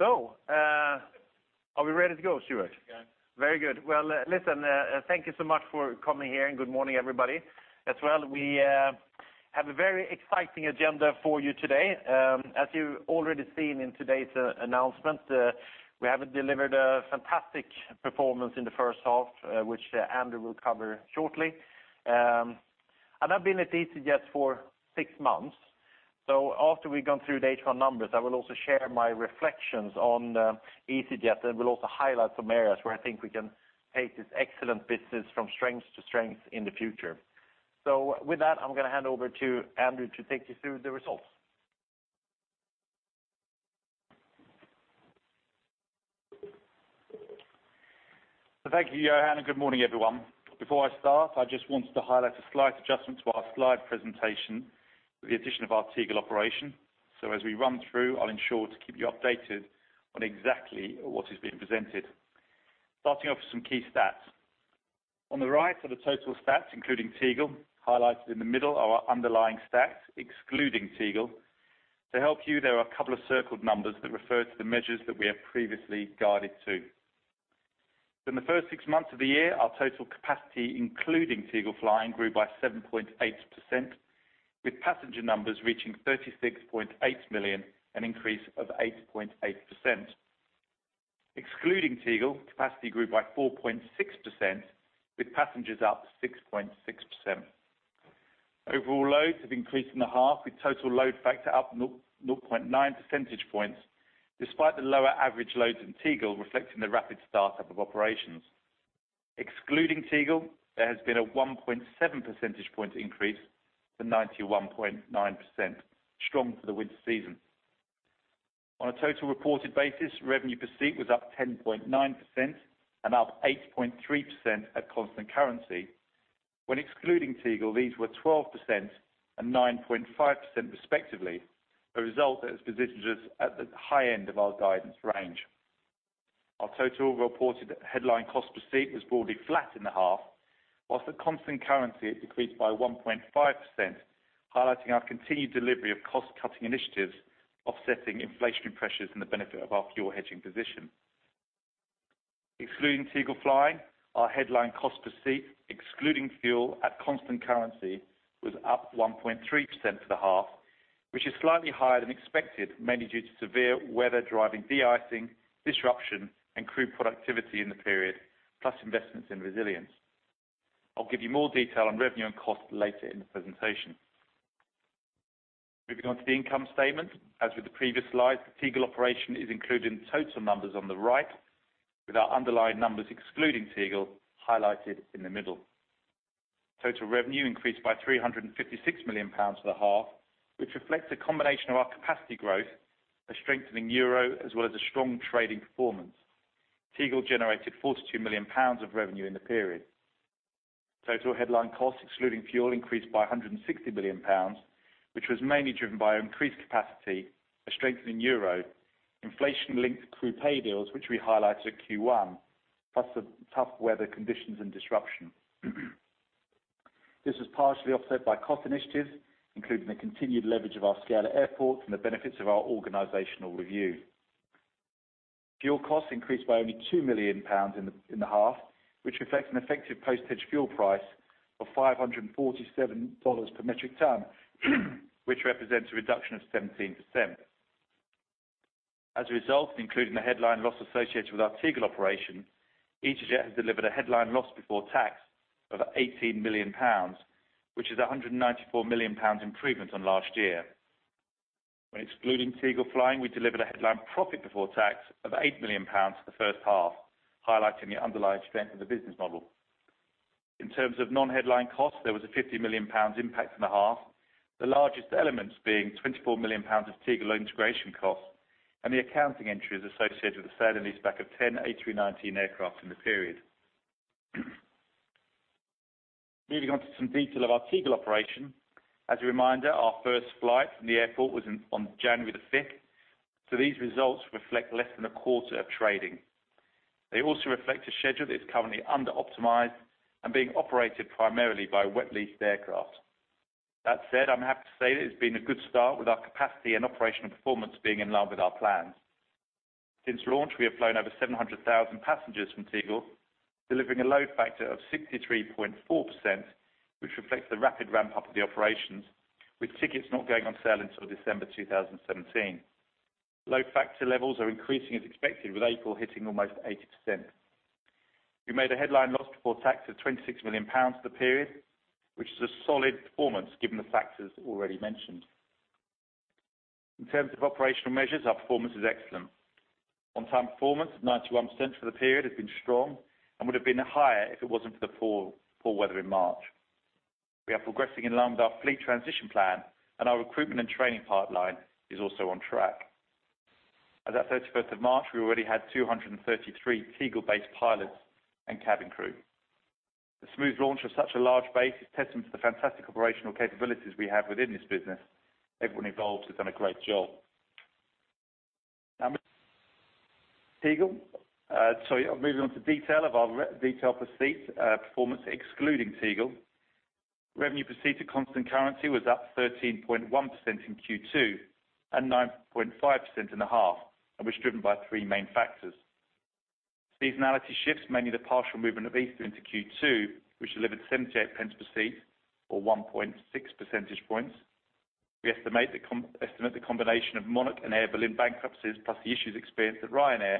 Are we ready to go, Stuart? Yeah. Very good. Well, listen, thank you so much for coming here, good morning, everybody, as well. We have a very exciting agenda for you today. As you've already seen in today's announcement, we have delivered a fantastic performance in the first half, which Andrew will cover shortly. I've been at easyJet for six months. After we've gone through the H1 numbers, I will also share my reflections on easyJet, and will also highlight some areas where I think we can take this excellent business from strength to strength in the future. With that, I'm going to hand over to Andrew to take you through the results. Thank you, Johan, and good morning, everyone. Before I start, I just wanted to highlight a slight adjustment to our slide presentation with the addition of our Tegel operation. As we run through, I'll ensure to keep you updated on exactly what is being presented. Starting off with some key stats. On the right are the total stats, including Tegel. Highlighted in the middle are our underlying stats, excluding Tegel. To help you, there are a couple of circled numbers that refer to the measures that we have previously guided to. In the first six months of the year, our total capacity, including Tegel flying, grew by 7.8%, with passenger numbers reaching 36.8 million, an increase of 8.8%. Excluding Tegel, capacity grew by 4.6%, with passengers up 6.6%. Overall loads have increased in the half, with total load factor up 0.9 percentage points, despite the lower average loads in Tegel reflecting the rapid startup of operations. Excluding Tegel, there has been a 1.7 percentage point increase to 91.9%, strong for the winter season. On a total reported basis, revenue per seat was up 10.9% and up 8.3% at constant currency. When excluding Tegel, these were 12% and 9.5% respectively, a result that has positioned us at the high end of our guidance range. Our total reported headline cost per seat was broadly flat in the half, whilst at constant currency it decreased by 1.5%, highlighting our continued delivery of cost-cutting initiatives offsetting inflationary pressures and the benefit of our fuel hedging position. Excluding Tegel flying, our headline cost per seat, excluding fuel at constant currency, was up 1.3% for the half, which is slightly higher than expected, mainly due to severe weather driving de-icing, disruption, and crew productivity in the period, plus investments in resilience. I'll give you more detail on revenue and cost later in the presentation. Moving on to the income statement. As with the previous slide, the Tegel operation is included in the total numbers on the right, with our underlying numbers excluding Tegel highlighted in the middle. Total revenue increased by 356 million pounds for the half, which reflects a combination of our capacity growth, a strengthening EUR, as well as a strong trading performance. Tegel generated 42 million pounds of revenue in the period. Total headline costs, excluding fuel, increased by 160 million pounds, which was mainly driven by increased capacity, a strengthening EUR, inflation-linked crew pay deals, which we highlighted at Q1, plus the tough weather conditions and disruption. This was partially offset by cost initiatives, including the continued leverage of our scale at airports and the benefits of our organizational review. Fuel costs increased by only 2 million pounds in the half, which reflects an effective posted fuel price of $547 per metric ton, which represents a reduction of 17%. As a result, including the headline loss associated with our Tegel operation, easyJet has delivered a headline loss before tax of 18 million pounds, which is a 194 million pounds improvement on last year. When excluding Tegel flying, we delivered a headline profit before tax of 8 million pounds for the first half, highlighting the underlying strength of the business model. In terms of non-headline costs, there was a 50 million pounds impact in the half, the largest elements being 24 million pounds of Tegel integration costs and the accounting entries associated with the sale and leaseback of 10 A319 aircraft in the period. Moving on to some detail of our Tegel operation. As a reminder, our first flight from the airport was on January 5th, so these results reflect less than a quarter of trading. They also reflect a schedule that is currently under-optimized and being operated primarily by wet-leased aircraft. That said, I'm happy to say that it's been a good start with our capacity and operational performance being in line with our plans. Since launch, we have flown over 700,000 passengers from Tegel, delivering a load factor of 63.4%, which reflects the rapid ramp-up of the operations, with tickets not going on sale until December 2017. Load factor levels are increasing as expected, with April hitting almost 80%. We made a headline loss before tax of 26 million pounds for the period, which is a solid performance given the factors already mentioned. In terms of operational measures, our performance is excellent. On-time performance of 91% for the period has been strong and would have been higher if it wasn't for the poor weather in March. We are progressing in line with our fleet transition plan, and our recruitment and training pipeline is also on track. As at March 31st, we already had 233 Tegel-based pilots and cabin crew. The smooth launch of such a large base is testament to the fantastic operational capabilities we have within this business. Everyone involved has done a great job. Tegel. Moving on to our per seat performance, excluding Tegel. Revenue per seat at constant currency was up 13.1% in Q2 and 9.5% in the half, was driven by three main factors. Seasonality shifts, mainly the partial movement of Easter into Q2, which delivered 0.78 per seat or 1.6 percentage points. We estimate the combination of Monarch and Air Berlin bankruptcies, plus the issues experienced at Ryanair,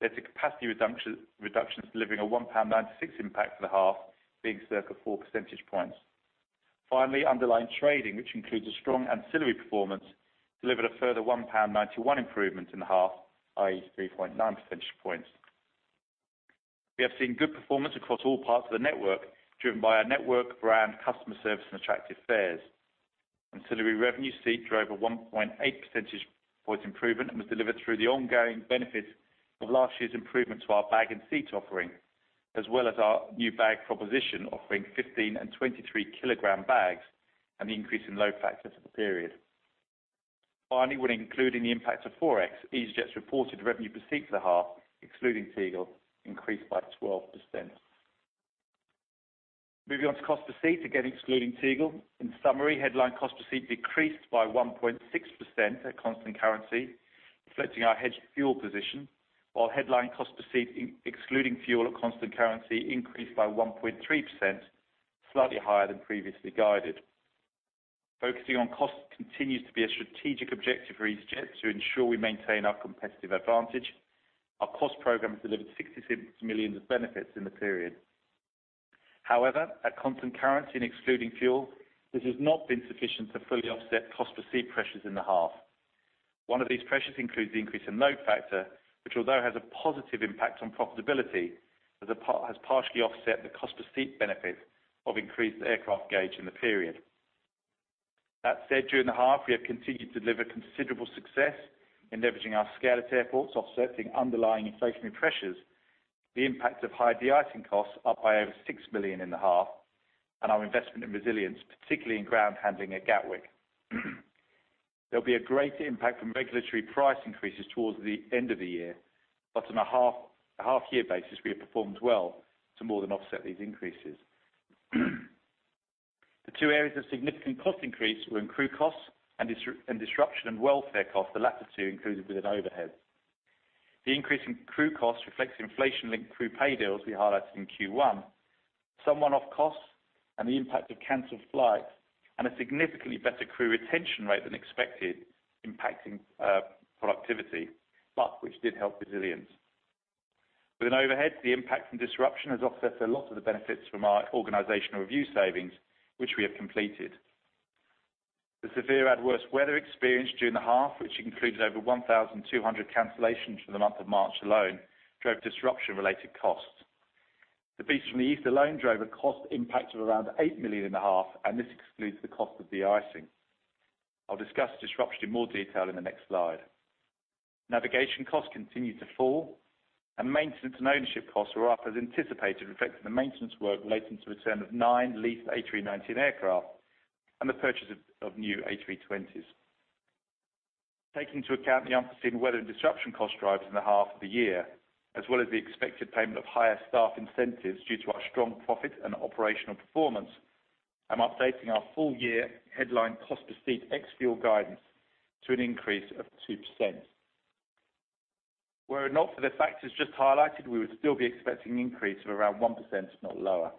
that the capacity reduction is delivering a 1.96 pound impact for the half, being circa four percentage points. Finally, underlying trading, which includes a strong ancillary performance, delivered a further 1.91 pound improvement in the half, i.e., 3.9 percentage points. We have seen good performance across all parts of the network, driven by our network, brand, customer service, and attractive fares. Ancillary revenue seat drove a 1.8 percentage points improvement and was delivered through the ongoing benefits of last year's improvement to our bag and seat offering, as well as our new bag proposition offering 15 and 23 kilogram bags and the increase in load factor for the period. Finally, when including the impact of Forex, easyJet's reported revenue per seat for the half, excluding Tegel, increased by 12%. Moving on to cost per seat, again excluding Tegel. In summary, headline cost per seat decreased by 1.6% at constant currency, reflecting our hedged fuel position, while headline cost per seat excluding fuel at constant currency increased by 1.3%, slightly higher than previously guided. Focusing on cost continues to be a strategic objective for easyJet to ensure we maintain our competitive advantage. Our cost program has delivered 66 million of benefits in the period. At constant currency and excluding fuel, this has not been sufficient to fully offset cost per seat pressures in the half. One of these pressures includes the increase in load factor, which although has a positive impact on profitability, has partially offset the cost per seat benefit of increased aircraft gauge in the period. That said, during the half, we have continued to deliver considerable success in leveraging our scale at airports, offsetting underlying inflationary pressures, the impact of high de-icing costs up by over 6 million in the half, and our investment in resilience, particularly in ground handling at Gatwick. There'll be a greater impact from regulatory price increases towards the end of the year, but on a half-year basis, we have performed well to more than offset these increases. The two areas of significant cost increase were in crew costs and disruption and welfare costs, the latter two included within overheads. The increase in crew costs reflects inflation-linked crew pay deals we highlighted in Q1, some one-off costs and the impact of canceled flights, and a significantly better crew retention rate than expected, impacting productivity, but which did help resilience. Within overhead, the impact from disruption has offset a lot of the benefits from our organizational review savings, which we have completed. The severe adverse weather experienced during the half, which included over 1,200 cancellations for the month of March alone, drove disruption-related costs. The Beast from the East alone drove a cost impact of around 8 million in the half, this excludes the cost of de-icing. I'll discuss disruption in more detail in the next slide. Navigation costs continued to fall. Maintenance and ownership costs were up as anticipated, reflecting the maintenance work relating to return of nine leased A319 aircraft and the purchase of new A320s. Taking into account the unforeseen weather and disruption cost drivers in the half of the year, as well as the expected payment of higher staff incentives due to our strong profit and operational performance, I'm updating our full-year headline cost per seat ex-fuel guidance to an increase of 2%. Were it not for the factors just highlighted, we would still be expecting an increase of around 1%, if not lower.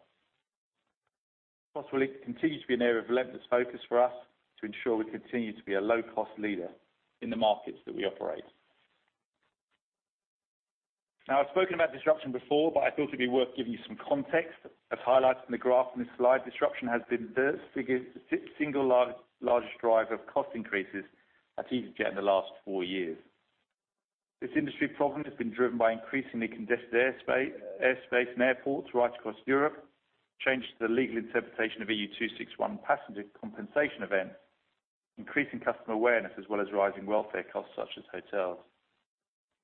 Costs will continue to be an area of relentless focus for us to ensure we continue to be a low-cost leader in the markets that we operate. I've spoken about disruption before. I thought it'd be worth giving you some context. As highlighted in the graph in this slide, disruption has been the single largest driver of cost increases at easyJet in the last four years. This industry problem has been driven by increasingly congested airspace and airports right across Europe, changes to the legal interpretation of EU261 passenger compensation events, increasing customer awareness, as well as rising welfare costs such as hotels.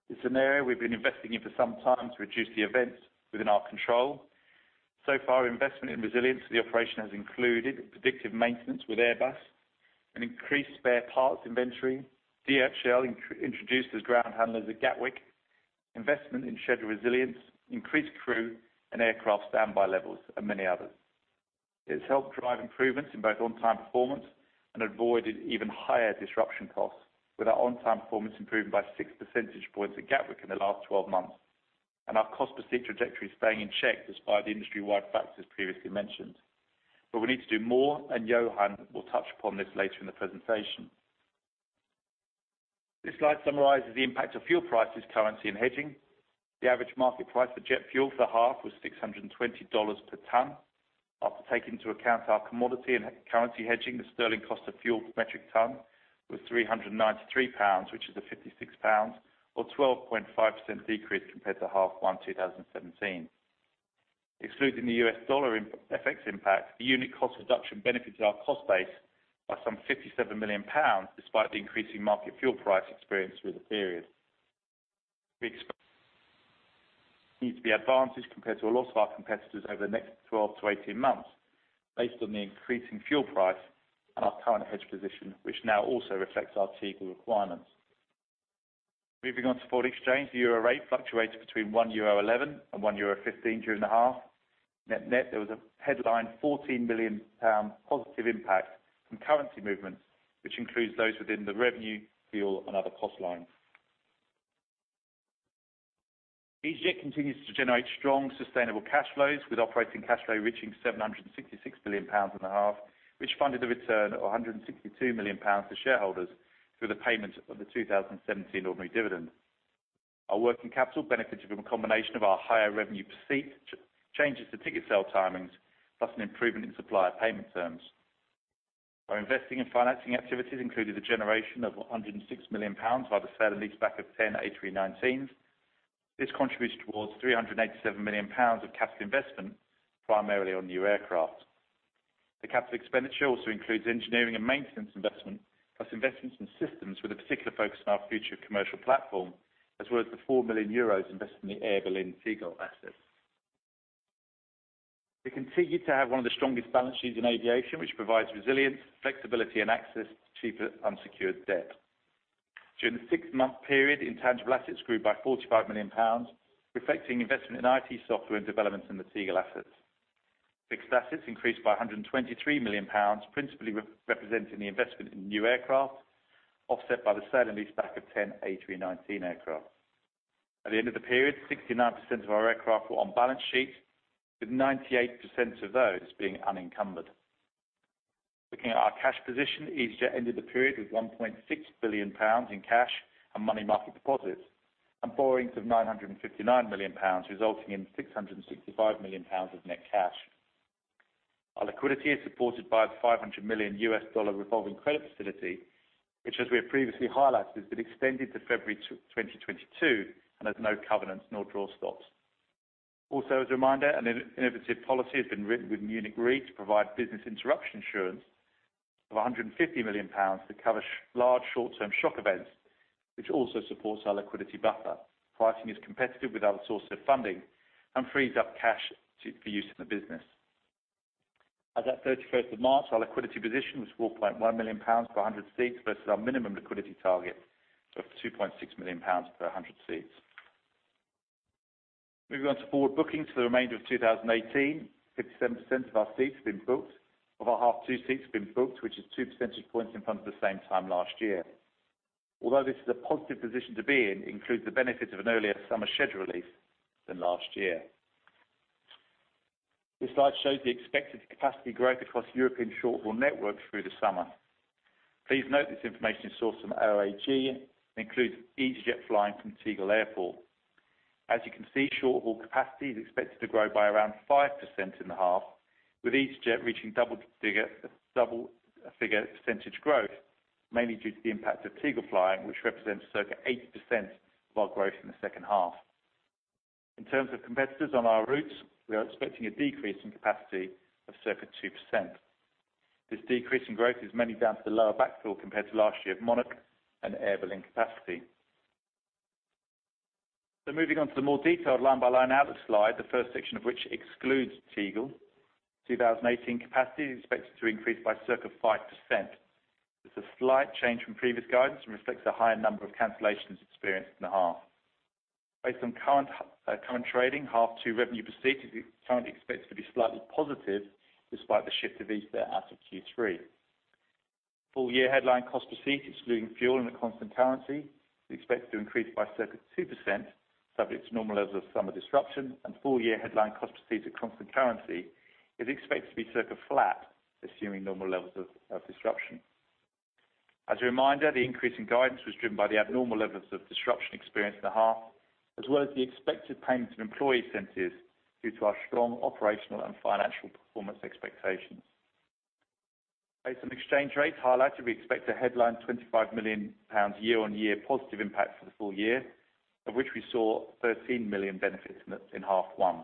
It's an area we've been investing in for some time to reduce the events within our control. Investment in resilience of the operation has included predictive maintenance with Airbus and increased spare parts inventory. DHL introduced as ground handlers at Gatwick, investment in schedule resilience, increased crew and aircraft standby levels, and many others. It's helped drive improvements in both on-time performance and avoided even higher disruption costs with our on-time performance improving by 6 percentage points at Gatwick in the last 12 months. Our cost per seat trajectory staying in check despite the industry-wide factors previously mentioned. We need to do more. Johan will touch upon this later in the presentation. This slide summarizes the impact of fuel prices, currency, and hedging. The average market price for jet fuel for the half was GBP 620 per ton. After taking into account our commodity and currency hedging, the sterling cost of fuel per metric ton was 393 pounds, which is a 56 pounds or 12.5% decrease compared to half 1, 2017. Excluding the US dollar FX impact, the unit cost reduction benefited our cost base by some 57 million pounds, despite the increasing market fuel price experienced through the period. We expect need to be advantaged compared to a lot of our competitors over the next 12 to 18 months based on the increasing fuel price and our current hedge position, which now also reflects our Tegel requirements. Moving on to foreign exchange, the euro rate fluctuated between 1.11 euro and 1.15 euro during the half. There was a headline 14 million pound positive impact from currency movements, which includes those within the revenue, fuel, and other cost lines. easyJet continues to generate strong, sustainable cash flows, with operating cash flow reaching 766 million pounds in the half, which funded a return of 162 million pounds to shareholders through the payment of the 2017 ordinary dividend. Our working capital benefited from a combination of our higher revenue per seat, changes to ticket sale timings, plus an improvement in supplier payment terms. Our investing and financing activities included the generation of 106 million pounds by the sale and leaseback of 10 A319s. This contributes towards 387 million pounds of capital investment, primarily on new aircraft. The capital expenditure also includes engineering and maintenance investment, plus investments in systems with a particular focus on our future commercial platform, as well as the 4 million euros invested in the Air Berlin Tegel assets. We continue to have one of the strongest balance sheets in aviation, which provides resilience, flexibility, and access to cheaper unsecured debt. During the six-month period, intangible assets grew by 45 million pounds, reflecting investment in IT software and developments in the Tegel assets. Fixed assets increased by 123 million pounds, principally representing the investment in new aircraft, offset by the sale and leaseback of 10 A319 aircraft. At the end of the period, 69% of our aircraft were on balance sheet, with 98% of those being unencumbered. Looking at our cash position, easyJet ended the period with 1.6 billion pounds in cash and money market deposits and borrowings of 959 million pounds, resulting in 665 million pounds of net cash. Our liquidity is supported by the $500 million revolving credit facility, which, as we have previously highlighted, has been extended to February 2022 and has no covenants nor draw stops. Also, as a reminder, an innovative policy has been written with Munich Re to provide business interruption insurance of 150 million pounds to cover large short-term shock events, which also supports our liquidity buffer. Pricing is competitive with other sources of funding and frees up cash for use in the business. As at 31st of March, our liquidity position was 4.1 million pounds per 100 seats versus our minimum liquidity target of 2.6 million pounds per 100 seats. Moving on to forward bookings for the remainder of 2018, 57% of our seats have been booked. Of our H2 seats have been booked, which is two percentage points in front of the same time last year. Although this is a positive position to be in, it includes the benefit of an earlier summer schedule release than last year. This slide shows the expected capacity growth across European short-haul networks through the summer. Please note this information is sourced from OAG and includes easyJet flying from Tegel Airport. As you can see, short-haul capacity is expected to grow by around 5% in the half, with easyJet reaching double-figure percentage growth, mainly due to the impact of Tegel flying, which represents circa 80% of our growth in the second half. In terms of competitors on our routes, we are expecting a decrease in capacity of circa 2%. This decrease in growth is mainly down to the lower backfill compared to last year of Monarch and Air Berlin capacity. Moving on to the more detailed line-by-line outlook slide, the first section of which excludes Tegel. 2018 capacity is expected to increase by circa 5%. This is a slight change from previous guidance and reflects the higher number of cancellations experienced in the half. Based on current trading, H2 revenue per seat is currently expected to be slightly positive despite the shift of Easter out of Q3. Full-year headline cost per seat, excluding fuel in the constant currency, is expected to increase by circa 2%, subject to normal levels of summer disruption, and full-year headline cost per seat at constant currency is expected to be circa flat, assuming normal levels of disruption. As a reminder, the increase in guidance was driven by the abnormal levels of disruption experienced in the half, as well as the expected payment of employee incentives due to our strong operational and financial performance expectations. Based on exchange rates highlighted, we expect a headline 25 million pounds year-on-year positive impact for the full year, of which we saw 13 million benefits in H1.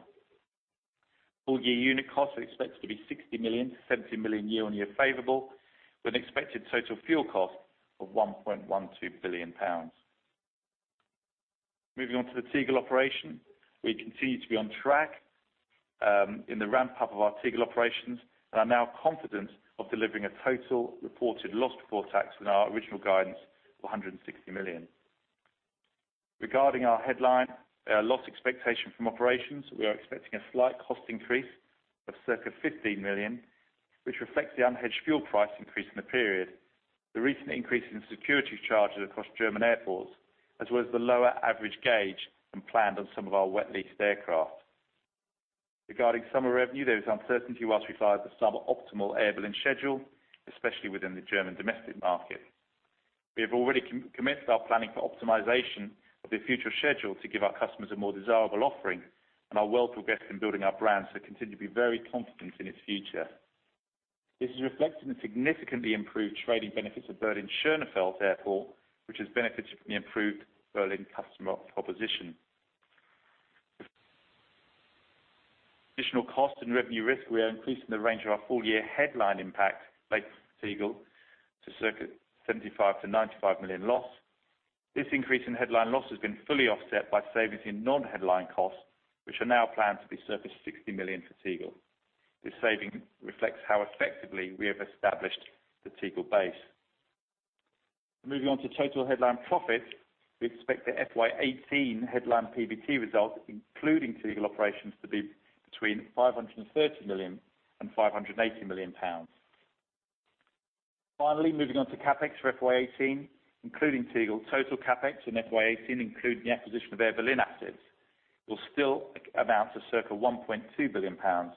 Full-year unit costs are expected to be 60 million-70 million year-on-year favorable, with an expected total fuel cost of 1.12 billion pounds. Moving on to the Tegel operation, we continue to be on track in the ramp-up of our Tegel operations and are now confident of delivering a total reported loss before tax in our original guidance of 160 million. Regarding our headline loss expectation from operations, we are expecting a slight cost increase of circa 15 million, which reflects the unhedged fuel price increase in the period, the recent increase in security charges across German airports, as well as the lower average gauge than planned on some of our wet-leased aircraft. Regarding summer revenue, there is uncertainty whilst we file the sub-optimal Air Berlin schedule, especially within the German domestic market. We have already commenced our planning for optimization of the future schedule to give our customers a more desirable offering, and we will invest in building our brands to continue to be very confident in its future. This is reflected in significantly improved trading benefits at Berlin Schönefeld Airport, which has benefited from the improved Berlin customer proposition. Additional cost and revenue risk, we are increasing the range of our full-year headline impact related to Tegel to circa 75 million-95 million loss. This increase in headline loss has been fully offset by savings in non-headline costs, which are now planned to be circa 60 million for Tegel. This saving reflects how effectively we have established the Tegel base. Moving on to total headline profit. We expect the FY 2018 headline PBT results, including Tegel operations, to be between 530 million and 580 million pounds. Finally, moving on to CapEx for FY 2018, including Tegel. Total CapEx in FY 2018, including the acquisition of Air Berlin assets, will still amount to circa 1.2 billion pounds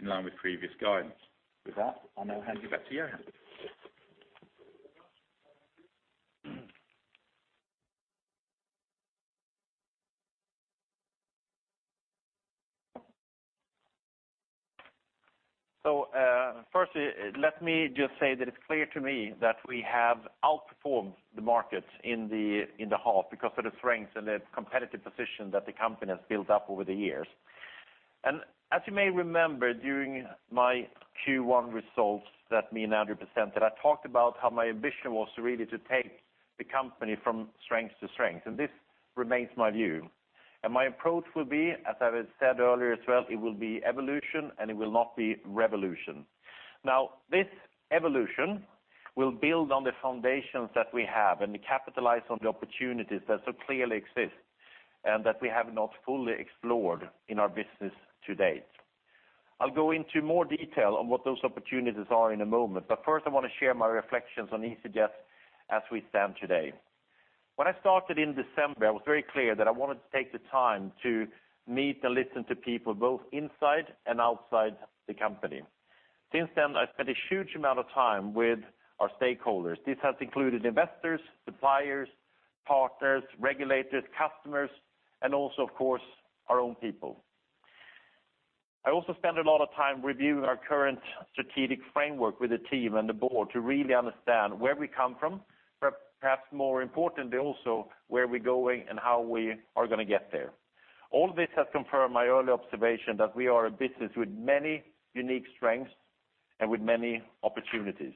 in line with previous guidance. With that, I'll now hand you back to Johan. Firstly, let me just say that it's clear to me that we have outperformed the market in the half because of the strength and the competitive position that the company has built up over the years. As you may remember, during my Q1 results that me and Andrew presented, I talked about how my ambition was really to take the company from strength to strength, and this remains my view. My approach will be, as I said earlier as well, it will be evolution, and it will not be revolution. This evolution will build on the foundations that we have and capitalize on the opportunities that so clearly exist, and that we have not fully explored in our business to date. I'll go into more detail on what those opportunities are in a moment. First, I want to share my reflections on easyJet as we stand today. When I started in December, I was very clear that I wanted to take the time to meet and listen to people both inside and outside the company. Since then, I've spent a huge amount of time with our stakeholders. This has included investors, suppliers, partners, regulators, customers, and also, of course, our own people. I also spend a lot of time reviewing our current strategic framework with the team and the Board to really understand where we come from, perhaps more importantly, also where we're going and how we are going to get there. All this has confirmed my early observation that we are a business with many unique strengths and with many opportunities.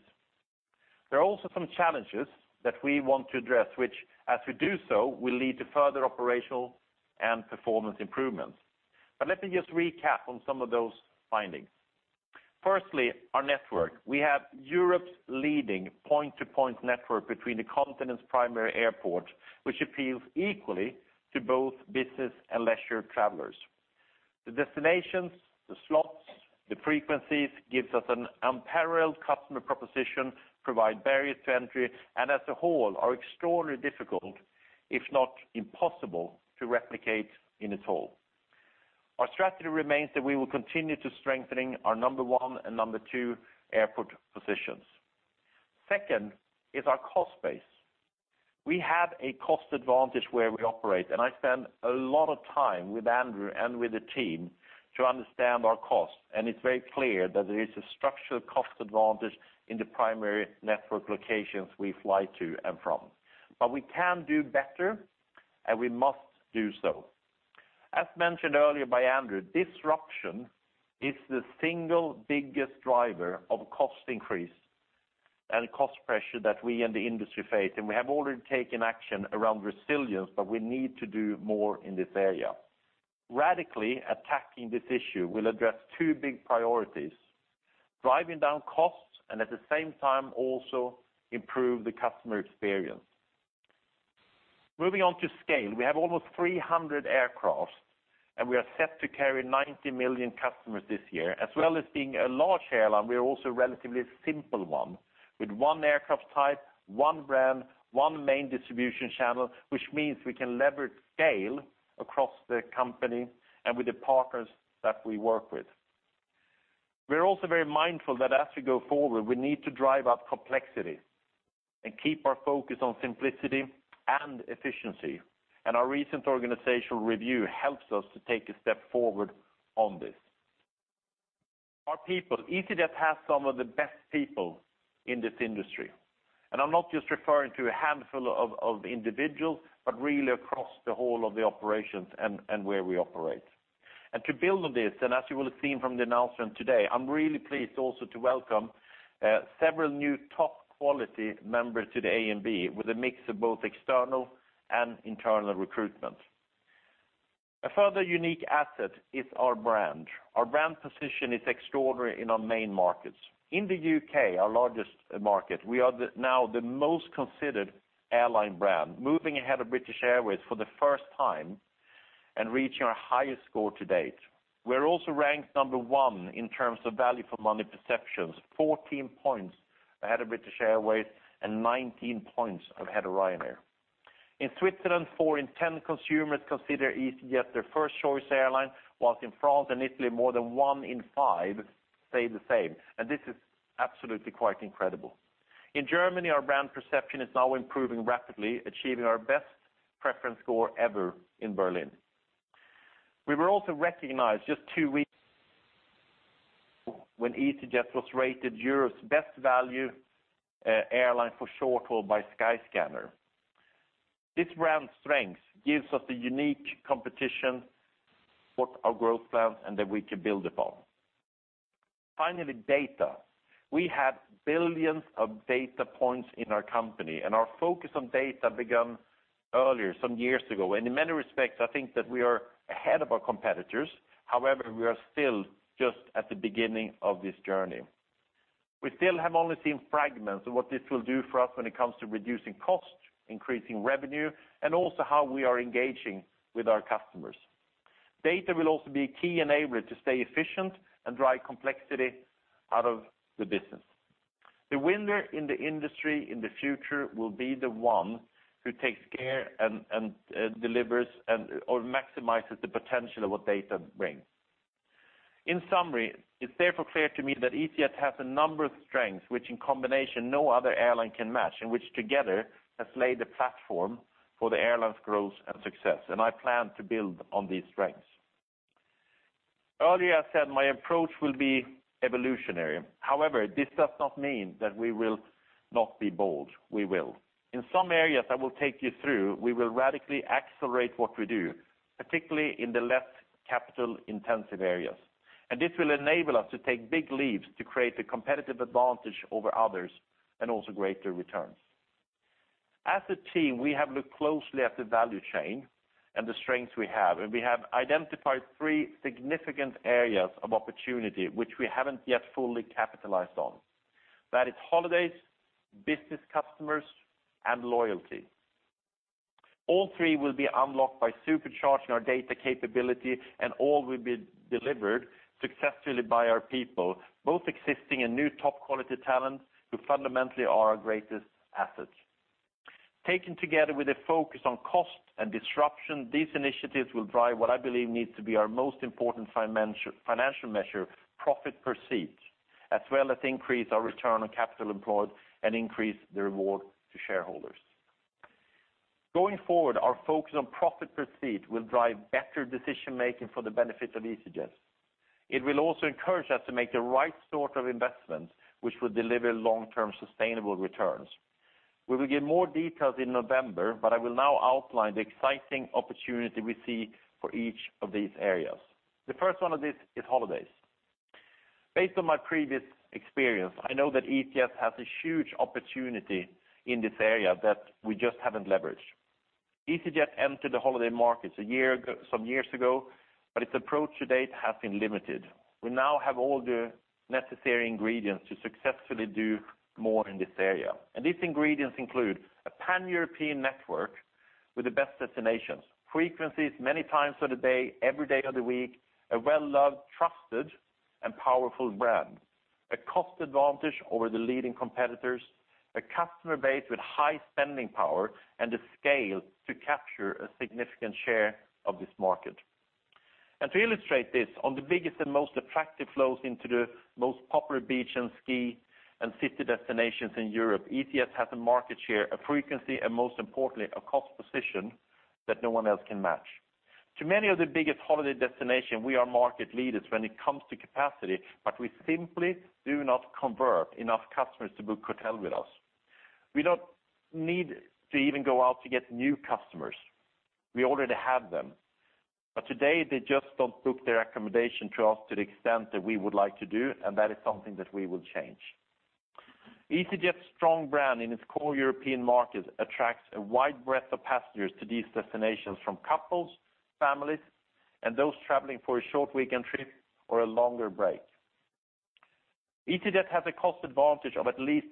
There are also some challenges that we want to address, which, as we do so, will lead to further operational and performance improvements. Let me just recap on some of those findings. Firstly, our network. We have Europe's leading point-to-point network between the continent's primary airport, which appeals equally to both business and leisure travelers. The destinations, the slots, the frequencies, gives us an unparalleled customer proposition, provide barriers to entry, and as a whole, are extraordinarily difficult, if not impossible, to replicate in its whole. Our strategy remains that we will continue to strengthening our number 1 and number 2 airport positions. Second is our cost base. We have a cost advantage where we operate. I spend a lot of time with Andrew and with the team to understand our costs, and it's very clear that there is a structural cost advantage in the primary network locations we fly to and from. We can do better, and we must do so. As mentioned earlier by Andrew, disruption is the single biggest driver of cost increase and cost pressure that we and the industry face, and we have already taken action around resilience, but we need to do more in this area. Radically attacking this issue will address two big priorities, driving down costs and at the same time also improve the customer experience. Moving on to scale. We have almost 300 aircrafts, and we are set to carry 90 million customers this year. As well as being a large airline, we are also a relatively simple one with 1 aircraft type, one brand, one main distribution channel, which means we can lever scale across the company and with the partners that we work with. We're also very mindful that as we go forward, we need to drive up complexity and keep our focus on simplicity and efficiency. Our recent organizational review helps us to take a step forward on this. Our people, easyJet has some of the best people in this industry, and I'm not just referring to a handful of individuals, but really across the whole of the operations and where we operate. To build on this, as you will have seen from the announcement today, I am really pleased also to welcome several new top quality members to the AMB with a mix of both external and internal recruitment. A further unique asset is our brand. Our brand position is extraordinary in our main markets. In the U.K., our largest market, we are now the most considered airline brand, moving ahead of British Airways for the first time and reaching our highest score to date. We are also ranked number 1 in terms of value for money perceptions, 14 points ahead of British Airways and 19 points ahead of Ryanair. In Switzerland, 4 in 10 consumers consider easyJet their first choice airline, whilst in France and Italy, more than 1 in 5 say the same. This is absolutely quite incredible. In Germany, our brand perception is now improving rapidly, achieving our best preference score ever in Berlin. We were also recognized just two weeks ago when easyJet was rated Europe's best value airline for short haul by Skyscanner. This brand strength gives us the unique competition for our growth plans and that we can build upon. Finally, data. We have billions of data points in our company, and our focus on data began earlier, some years ago. In many respects, I think that we are ahead of our competitors. However, we are still just at the beginning of this journey. We still have only seen fragments of what this will do for us when it comes to reducing cost, increasing revenue, and also how we are engaging with our customers. Data will also be a key enabler to stay efficient and drive complexity out of the business. The winner in the industry in the future will be the one who takes care and delivers or maximizes the potential of what data brings. In summary, it is therefore clear to me that easyJet has a number of strengths, which in combination, no other airline can match and which together has laid the platform for the airline's growth and success. I plan to build on these strengths. Earlier I said my approach will be evolutionary. However, this does not mean that we will not be bold. We will. In some areas I will take you through, we will radically accelerate what we do, particularly in the less capital-intensive areas. This will enable us to take big leaps to create a competitive advantage over others and also greater returns. As a team, we have looked closely at the value chain and the strengths we have, and we have identified three significant areas of opportunity which we haven't yet fully capitalized on. That is holidays, business customers, and loyalty. All three will be unlocked by supercharging our data capability, and all will be delivered successfully by our people, both existing and new top-quality talent who fundamentally are our greatest assets. Taken together with a focus on cost and disruption, these initiatives will drive what I believe needs to be our most important financial measure, profit per seat, as well as increase our return on capital employed and increase the reward to shareholders. Going forward, our focus on profit per seat will drive better decision-making for the benefit of easyJet. It will also encourage us to make the right sort of investments which will deliver long-term sustainable returns. We will give more details in November, I will now outline the exciting opportunity we see for each of these areas. The first one of these is holidays. Based on my previous experience, I know that easyJet has a huge opportunity in this area that we just haven't leveraged. easyJet entered the holiday markets some years ago, but its approach to date has been limited. We now have all the necessary ingredients to successfully do more in this area. These ingredients include a pan-European network with the best destinations, frequencies many times of the day, every day of the week, a well-loved, trusted, and powerful brand, a cost advantage over the leading competitors, a customer base with high spending power, and the scale to capture a significant share of this market. To illustrate this, on the biggest and most attractive flows into the most popular beach and ski and city destinations in Europe, easyJet has a market share, a frequency, and most importantly, a cost position that no one else can match. To many of the biggest holiday destination, we are market leaders when it comes to capacity, we simply do not convert enough customers to book hotel with us. We don't need to even go out to get new customers. We already have them. Today they just don't book their accommodation to us to the extent that we would like to do, that is something that we will change. easyJet's strong brand in its core European market attracts a wide breadth of passengers to these destinations from couples, families, and those traveling for a short weekend trip or a longer break. easyJet has a cost advantage of at least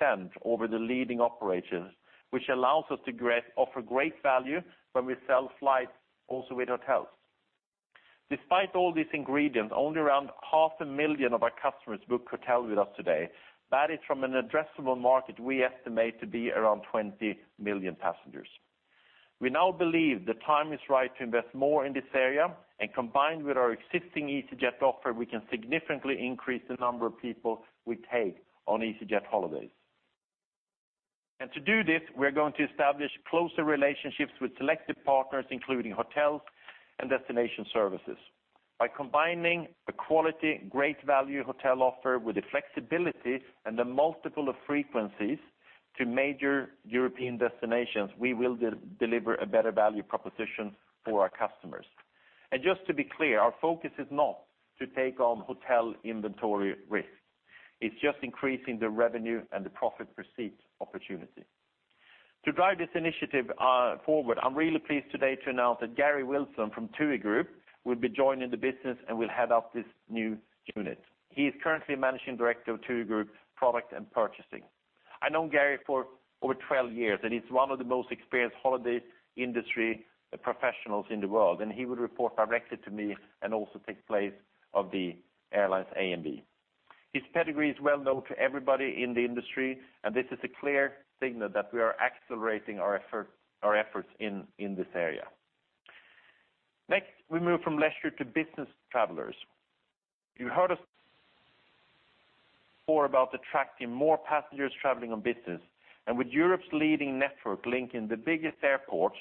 20% over the leading operators, which allows us to offer great value when we sell flights also with hotels. Despite all these ingredients, only around half a million of our customers book hotel with us today. That is from an addressable market we estimate to be around 20 million passengers. We now believe the time is right to invest more in this area. Combined with our existing easyJet offer, we can significantly increase the number of people we take on easyJet holidays. To do this, we are going to establish closer relationships with selected partners, including hotels and destination services. By combining a quality, great value hotel offer with the flexibility and the multiple of frequencies to major European destinations, we will deliver a better value proposition for our customers. Just to be clear, our focus is not to take on hotel inventory risk. It's just increasing the revenue and the profit per seat opportunity. To drive this initiative forward, I'm really pleased today to announce that Garry Wilson from TUI Group will be joining the business and will head up this new unit. He is currently Managing Director of TUI Group Product and Purchasing. I've known Garry for over 12 years, he's one of the most experienced holiday industry professionals in the world. He will report directly to me and also take place of the airline's AMB. His pedigree is well known to everybody in the industry. This is a clear signal that we are accelerating our efforts in this area. Next, we move from leisure to business travelers. You heard more about attracting more passengers traveling on business. With Europe's leading network linking the biggest airports,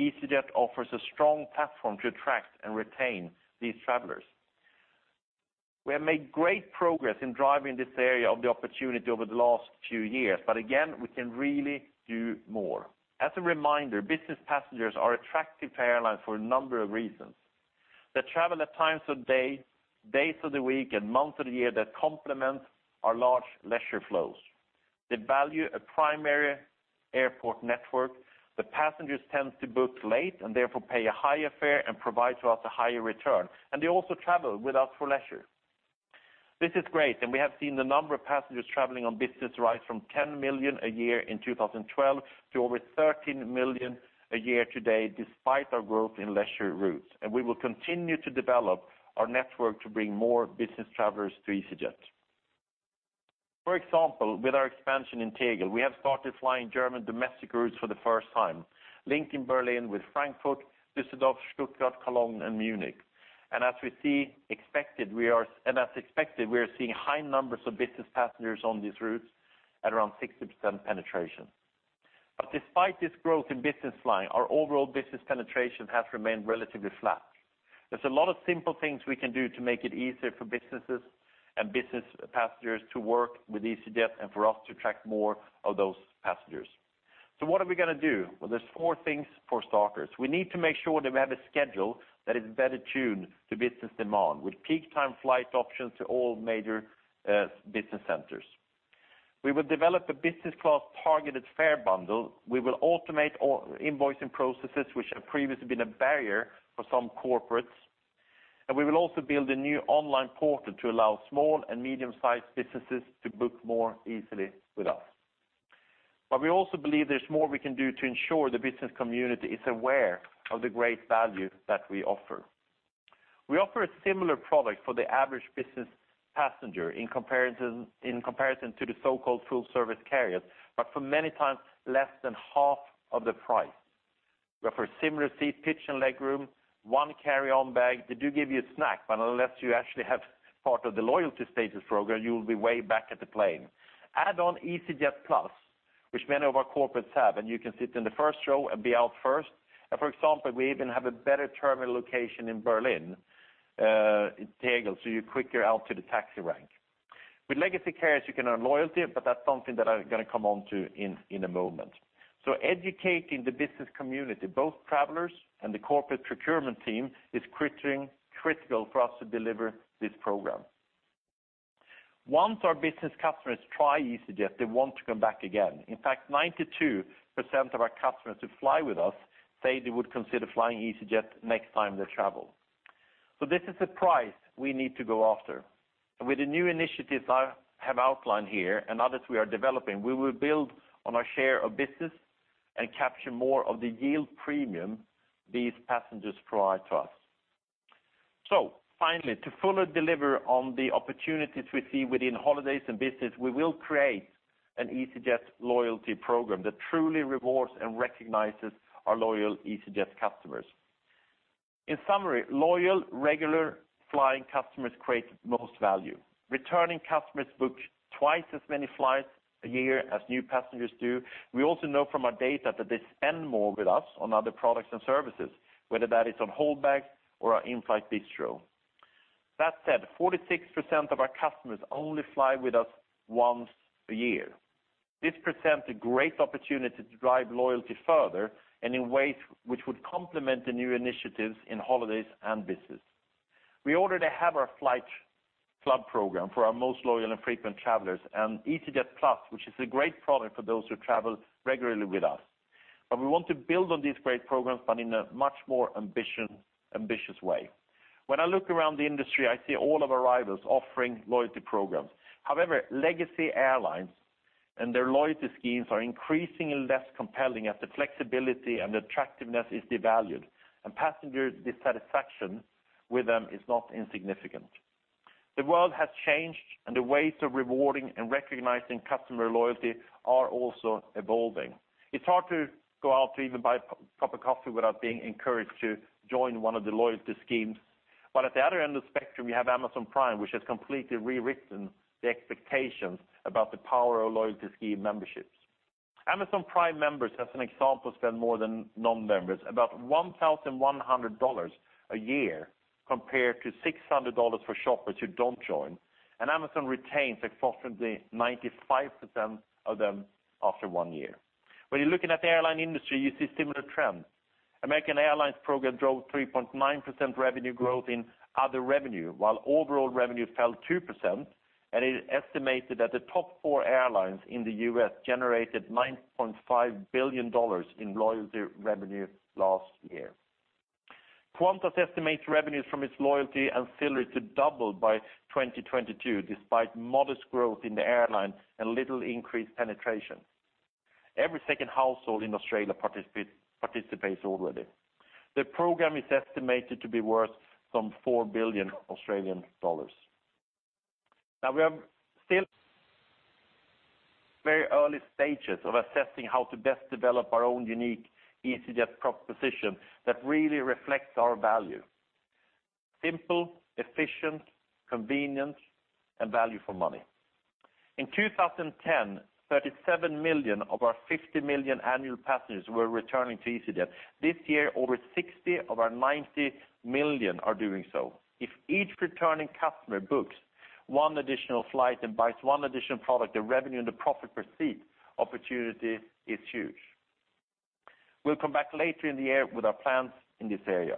easyJet offers a strong platform to attract and retain these travelers. We have made great progress in driving this area of the opportunity over the last few years. Again, we can really do more. As a reminder, business passengers are attractive to airlines for a number of reasons. They travel at times of day, days of the week, and months of the year that complement our large leisure flows. They value a primary airport network. The passengers tend to book late and therefore pay a higher fare and provide to us a higher return, and they also travel with us for leisure. This is great. We have seen the number of passengers traveling on business rise from 10 million a year in 2012 to over 13 million a year today, despite our growth in leisure routes. We will continue to develop our network to bring more business travelers to easyJet. For example, with our expansion in Tegel, we have started flying German domestic routes for the first time, linking Berlin with Frankfurt, Düsseldorf, Stuttgart, Cologne, and Munich. As expected, we are seeing high numbers of business passengers on these routes at around 60% penetration. Despite this growth in business flying, our overall business penetration has remained relatively flat. There's a lot of simple things we can do to make it easier for businesses and business passengers to work with easyJet and for us to attract more of those passengers. What are we going to do? Well, there's four things for starters. We need to make sure that we have a schedule that is better tuned to business demand, with peak time flight options to all major business centers. We will develop a business class targeted fare bundle. We will automate all invoicing processes which have previously been a barrier for some corporates. We will also build a new online portal to allow small and medium-sized businesses to book more easily with us. We also believe there's more we can do to ensure the business community is aware of the great value that we offer. We offer a similar product for the average business passenger in comparison to the so-called full service carriers, but for many times less than half of the price. We offer similar seat pitch and leg room, one carry-on bag. They do give you a snack, but unless you actually have part of the loyalty status program, you'll be way back at the plane. Add on easyJet Plus, which many of our corporates have. You can sit in the first row and be out first. For example, we even have a better terminal location in Berlin, Tegel, so you're quicker out to the taxi rank. With legacy carriers, you can earn loyalty, but that's something that I'm going to come on to in a moment. Educating the business community, both travelers and the corporate procurement team, is critical for us to deliver this program. Once our business customers try easyJet, they want to come back again. In fact, 92% of our customers who fly with us say they would consider flying easyJet next time they travel. This is the prize we need to go after. With the new initiatives I have outlined here and others we are developing, we will build on our share of business and capture more of the yield premium these passengers provide to us. Finally, to fully deliver on the opportunities we see within holidays and business, we will create an easyJet loyalty program that truly rewards and recognizes our loyal easyJet customers. In summary, loyal, regular flying customers create the most value. Returning customers book twice as many flights a year as new passengers do. We also know from our data that they spend more with us on other products and services, whether that is on hold bags or our in-flight bistro. That said, 46% of our customers only fly with us once a year. This presents a great opportunity to drive loyalty further and in ways which would complement the new initiatives in holidays and business. We already have our Flight Club program for our most loyal and frequent travelers and easyJet Plus, which is a great product for those who travel regularly with us. We want to build on these great programs, but in a much more ambitious way. When I look around the industry, I see all of our rivals offering loyalty programs. However, legacy airlines and their loyalty schemes are increasingly less compelling as the flexibility and attractiveness is devalued, and passenger dissatisfaction with them is not insignificant. The world has changed and the ways of rewarding and recognizing customer loyalty are also evolving. It's hard to go out to even buy a cup of coffee without being encouraged to join one of the loyalty schemes. At the other end of the spectrum, we have Amazon Prime, which has completely rewritten the expectations about the power of loyalty scheme memberships. Amazon Prime members, as an example, spend more than non-members, about $1,100 a year compared to $600 for shoppers who don't join. Amazon retains approximately 95% of them after one year. When you're looking at the airline industry, you see similar trends. American Airlines program drove 3.9% revenue growth in other revenue, while overall revenue fell 2%. It is estimated that the top four airlines in the U.S. generated $9.5 billion in loyalty revenue last year. Qantas estimates revenues from its loyalty ancillary to double by 2022, despite modest growth in the airline and little increased penetration. Every second household in Australia participates already. The program is estimated to be worth some 4 billion Australian dollars. We are still in the very early stages of assessing how to best develop our own unique easyJet proposition that really reflects our value: simple, efficient, convenient, and value for money. In 2010, 37 million of our 50 million annual passengers were returning to easyJet. This year, over 60 of our 90 million are doing so. If each returning customer books one additional flight and buys one additional product, the revenue and the profit per seat opportunity is huge. We'll come back later in the year with our plans in this area.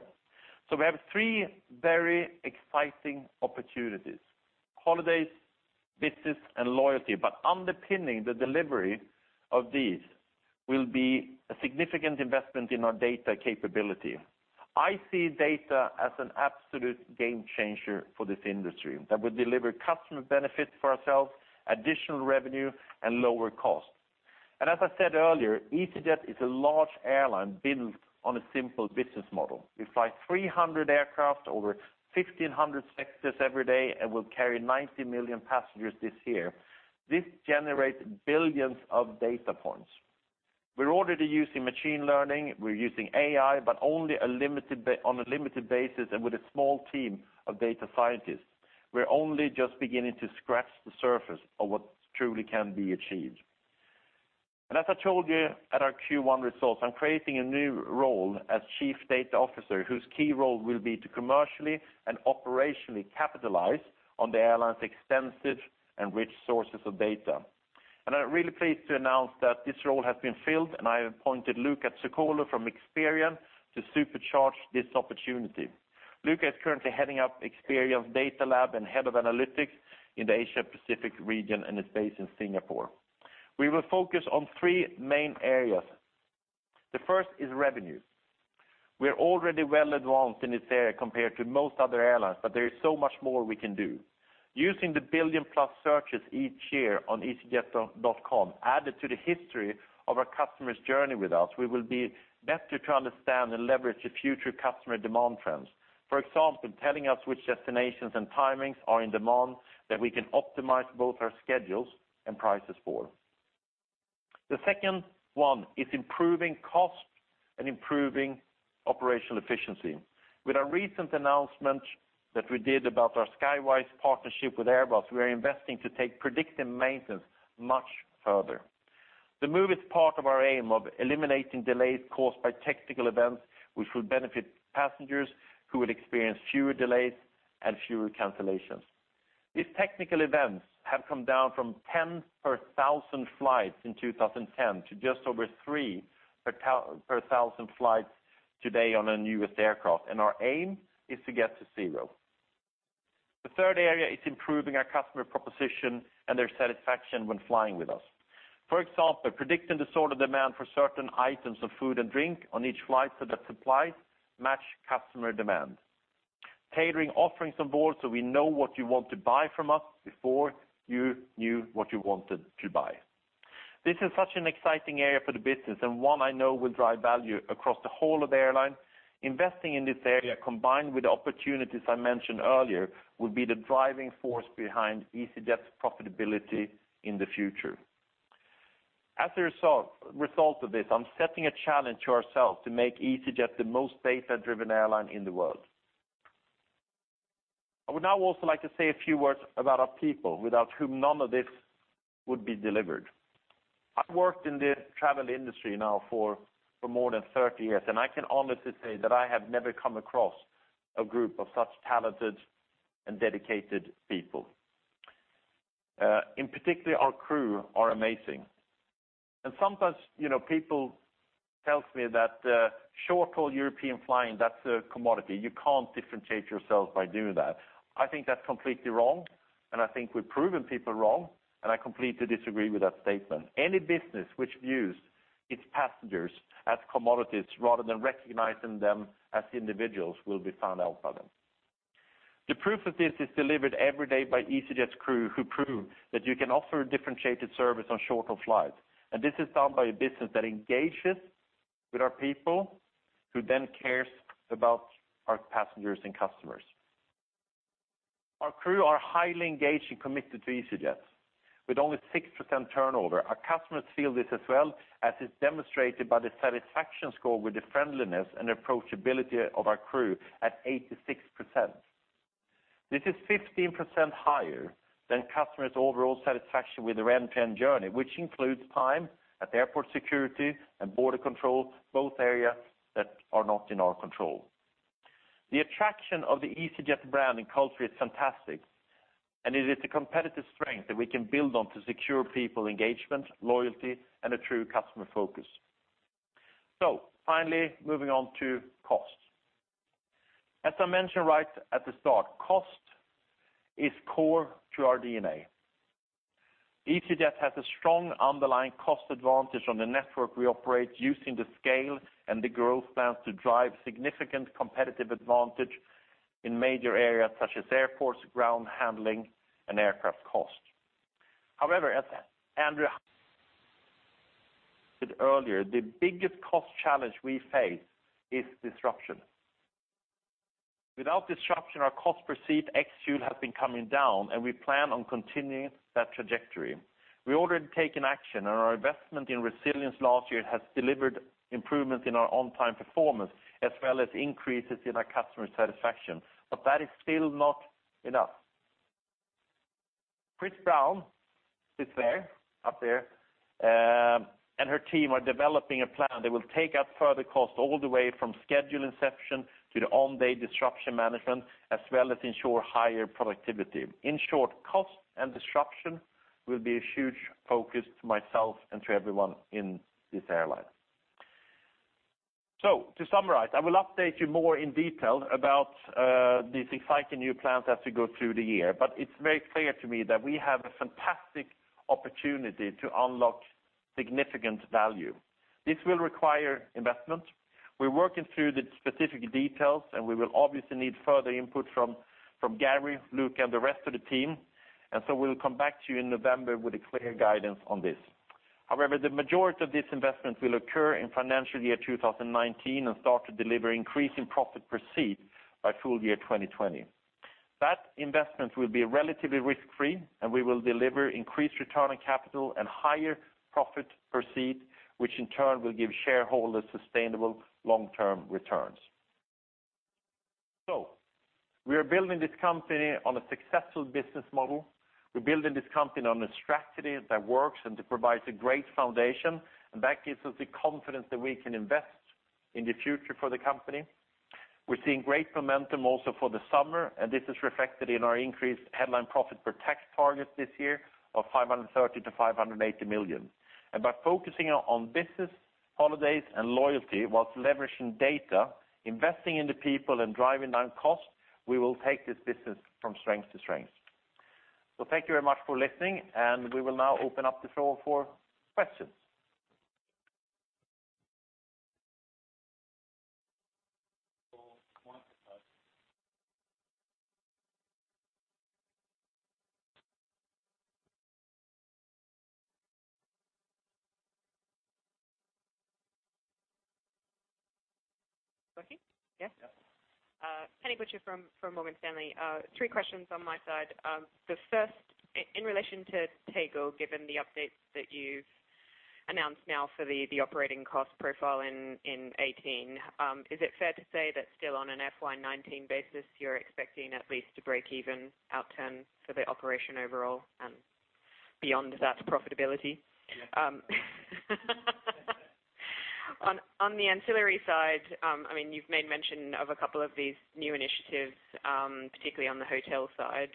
We have three very exciting opportunities, holidays, business, and loyalty. Underpinning the delivery of these will be a significant investment in our data capability. I see data as an absolute game changer for this industry that will deliver customer benefits for ourselves, additional revenue, and lower cost. As I said earlier, easyJet is a large airline built on a simple business model. We fly 300 aircraft over 1,500 sectors every day and will carry 90 million passengers this year. This generates billions of data points. We're already using machine learning. We're using AI, but only on a limited basis and with a small team of data scientists. We're only just beginning to scratch the surface of what truly can be achieved. As I told you at our Q1 results, I'm creating a new role as Chief Data Officer, whose key role will be to commercially and operationally capitalize on the airline's extensive and rich sources of data. I'm really pleased to announce that this role has been filled, and I have appointed Luca Zuccoli from Experian to supercharge this opportunity. Luca is currently heading up Experian's data lab and Head of Analytics in the Asia Pacific region and is based in Singapore. We will focus on three main areas. The first is revenue. We are already well advanced in this area compared to most other airlines, there is so much more we can do. Using the billion+ searches each year on easyjet.com added to the history of our customers' journey with us, we will be better to understand and leverage the future customer demand trends. For example, telling us which destinations and timings are in demand that we can optimize both our schedules and prices for. The second one is improving cost and improving operational efficiency. With our recent announcement that we did about our Skywise partnership with Airbus, we are investing to take predictive maintenance much further. The move is part of our aim of eliminating delays caused by technical events, which will benefit passengers who will experience fewer delays and fewer cancellations. These technical events have come down from 10 per 1,000 flights in 2010 to just over three per 1,000 flights today on our newest aircraft, and our aim is to get to zero. The third area is improving our customer proposition and their satisfaction when flying with us. For example, predicting the sort of demand for certain items of food and drink on each flight so that supplies match customer demand. Tailoring offerings on board so we know what you want to buy from us before you knew what you wanted to buy. This is such an exciting area for the business and one I know will drive value across the whole of the airline. Investing in this area, combined with the opportunities I mentioned earlier, will be the driving force behind easyJet's profitability in the future. As a result of this, I'm setting a challenge to ourselves to make easyJet the most data-driven airline in the world. I would now also like to say a few words about our people, without whom none of this would be delivered. I've worked in the travel industry now for more than 30 years, I can honestly say that I have never come across a group of such talented and dedicated people. In particular, our crew are amazing. Sometimes, people tell me that short-haul European flying, that's a commodity. You can't differentiate yourself by doing that. I think that's completely wrong, I think we've proven people wrong, and I completely disagree with that statement. Any business which views its passengers as commodities rather than recognizing them as individuals will be found out by them. The proof of this is delivered every day by easyJet's crew who prove that you can offer a differentiated service on short-haul flights. This is done by a business that engages with our people, who then cares about our passengers and customers. Our crew are highly engaged and committed to easyJet. With only 6% turnover, our customers feel this as well, as is demonstrated by the satisfaction score with the friendliness and approachability of our crew at 86%. This is 15% higher than customers' overall satisfaction with their end-to-end journey, which includes time at the airport security and border control, both areas that are not in our control. The attraction of the easyJet brand and culture is fantastic, and it is the competitive strength that we can build on to secure people engagement, loyalty, and a true customer focus. Finally, moving on to costs. As I mentioned right at the start, cost is core to our DNA. easyJet has a strong underlying cost advantage on the network we operate using the scale and the growth plans to drive significant competitive advantage in major areas such as airports, ground handling, and aircraft cost. However, as Andrew said earlier, the biggest cost challenge we face is disruption. Without disruption, our cost per seat ex-fuel has been coming down, and we plan on continuing that trajectory. We've already taken action, and our investment in resilience last year has delivered improvements in our on-time performance as well as increases in our customer satisfaction. That is still not enough. Chris Browne is up there, and her team are developing a plan that will take out further cost all the way from schedule inception to the on-day disruption management as well as ensure higher productivity. In short, cost and disruption will be a huge focus to myself and to everyone in this airline. To summarize, I will update you more in detail about these exciting new plans as we go through the year, but it's very clear to me that we have a fantastic opportunity to unlock significant value. This will require investment. We're working through the specific details, and we will obviously need further input from Garry, Luca, and the rest of the team, we'll come back to you in November with a clear guidance on this. The majority of this investment will occur in financial year 2019 and start to deliver increasing profit per seat by full year 2020. That investment will be relatively risk-free, and we will deliver increased return on capital and higher profit per seat, which in turn will give shareholders sustainable long-term returns. We are building this company on a successful business model. We're building this company on a strategy that works and that provides a great foundation, and that gives us the confidence that we can invest in the future for the company. We're seeing great momentum also for the summer, and this is reflected in our increased headline profit before tax target this year of 530 million-580 million. By focusing on business, holidays, and loyalty while leveraging data, investing in the people, and driving down costs, we will take this business from strength to strength. Thank you very much for listening, and we will now open up the floor for questions. Rocky? Yes. Yes. Penelope Butcher from Morgan Stanley. Three questions on my side. The first, in relation to Tegel, given the updates that you've announced now for the operating cost profile in FY 2018, is it fair to say that still on an FY 2019 basis, you're expecting at least to breakeven outturn for the operation overall and beyond that profitability? Yes. On the ancillary side, you've made mention of a couple of these new initiatives, particularly on the hotel side.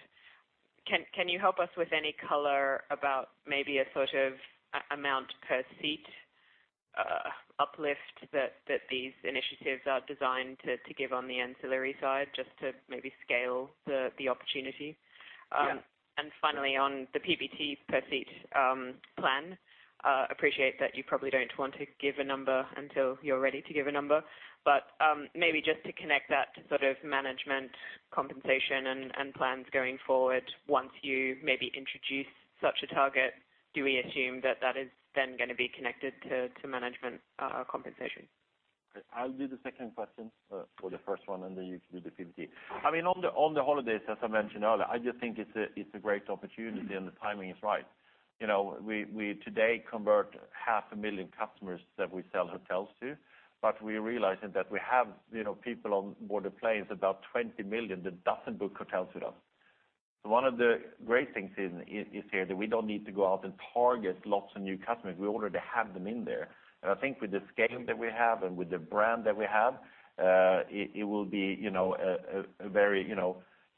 Can you help us with any color about maybe a sort of amount per seat uplift that these initiatives are designed to give on the ancillary side just to maybe scale the opportunity? Yeah. Finally, on the PBT per seat plan, appreciate that you probably don't want to give a number until you're ready to give a number, maybe just to connect that to sort of management compensation and plans going forward, once you maybe introduce such a target, do we assume that that is then going to be connected to management compensation? I'll do the second question for the first one. You can do the PBT. On the holidays, as I mentioned earlier, I just think it's a great opportunity and the timing is right. We today convert half a million customers that we sell hotels to, but we're realizing that we have people on board the planes, about 20 million that doesn't book hotels with us. One of the great things is here that we don't need to go out and target lots of new customers. We already have them in there. I think with the scale that we have and with the brand that we have, it will be a very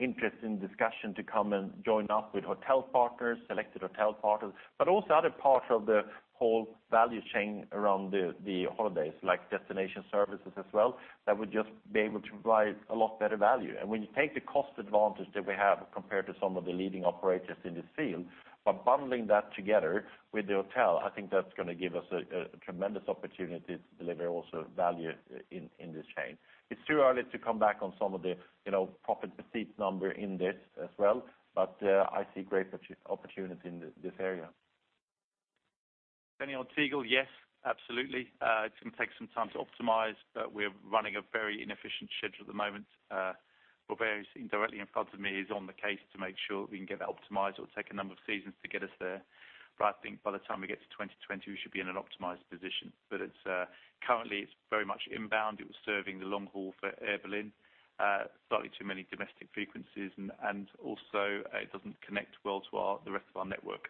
interesting discussion to come and join up with hotel partners, selected hotel partners, but also other parts of the whole value chain around the holidays, like destination services as well, that would just be able to provide a lot better value. When you take the cost advantage that we have compared to some of the leading operators in this field, by bundling that together with the hotel, I think that's going to give us a tremendous opportunity to deliver also value in this chain. It's too early to come back on some of the profit per seat number in this as well, but I see great opportunity in this area. Penny, on Tegel, yes, absolutely. It's going to take some time to optimize. We're running a very inefficient schedule at the moment. Roberto is indirectly in front of me, he's on the case to make sure that we can get that optimized. It will take a number of seasons to get us there, but I think by the time we get to 2020, we should be in an optimized position. Currently it's very much inbound. It was serving the long haul for Air Berlin. Slightly too many domestic frequencies, and also it doesn't connect well to the rest of our network.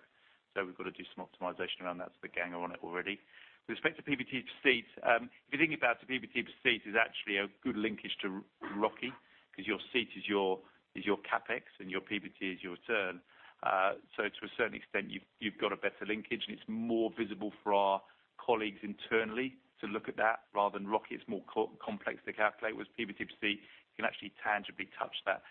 We've got to do some optimization around that, so the gang are on it already. With respect to PBT per seat, if you think about it, PBT per seat is actually a good linkage to ROCE because your seat is your CapEx and your PBT is your return. To a certain extent, you've got a better linkage. It's more visible for our colleagues internally to look at that rather than ROCE. It's more complex to calculate. With PBT per seat, you can actually tangibly touch that.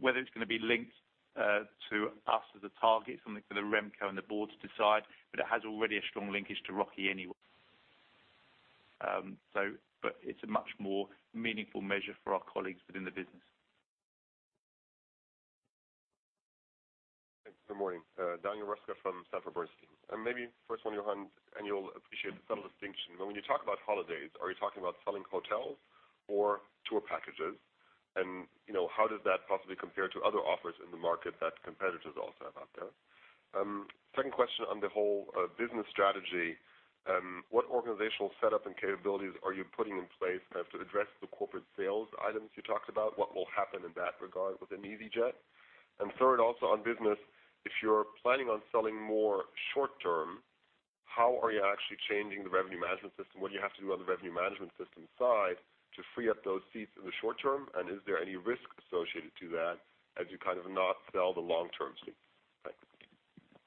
Whether it's going to be linked to us as a target is something for the Remco and the board to decide, but it has already a strong linkage to ROCE anyway. It's a much more meaningful measure for our colleagues within the business. Thanks. Good morning. Daniel Roeska from Sanford Bernstein. Maybe first one, Johan, you'll appreciate the subtle distinction, but when you talk about easyJet holidays, are you talking about selling hotels or tour packages? How does that possibly compare to other offers in the market that competitors also have out there? Second question on the whole business strategy, what organizational setup and capabilities are you putting in place to address the corporate sales items you talked about? What will happen in that regard within easyJet? Third, also on business, if you're planning on selling more short-term, how are you actually changing the revenue management system? What do you have to do on the revenue management system side to free up those seats in the short term? Is there any risk associated to that as you not sell the long-term seat? Thanks.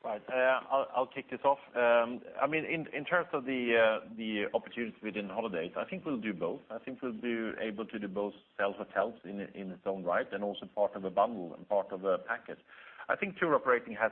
Right. I'll kick this off. In terms of the opportunities within easyJet holidays, I think we'll do both. I think we'll be able to do both sell hotels in its own right and also part of a bundle and part of a package. I think tour operating has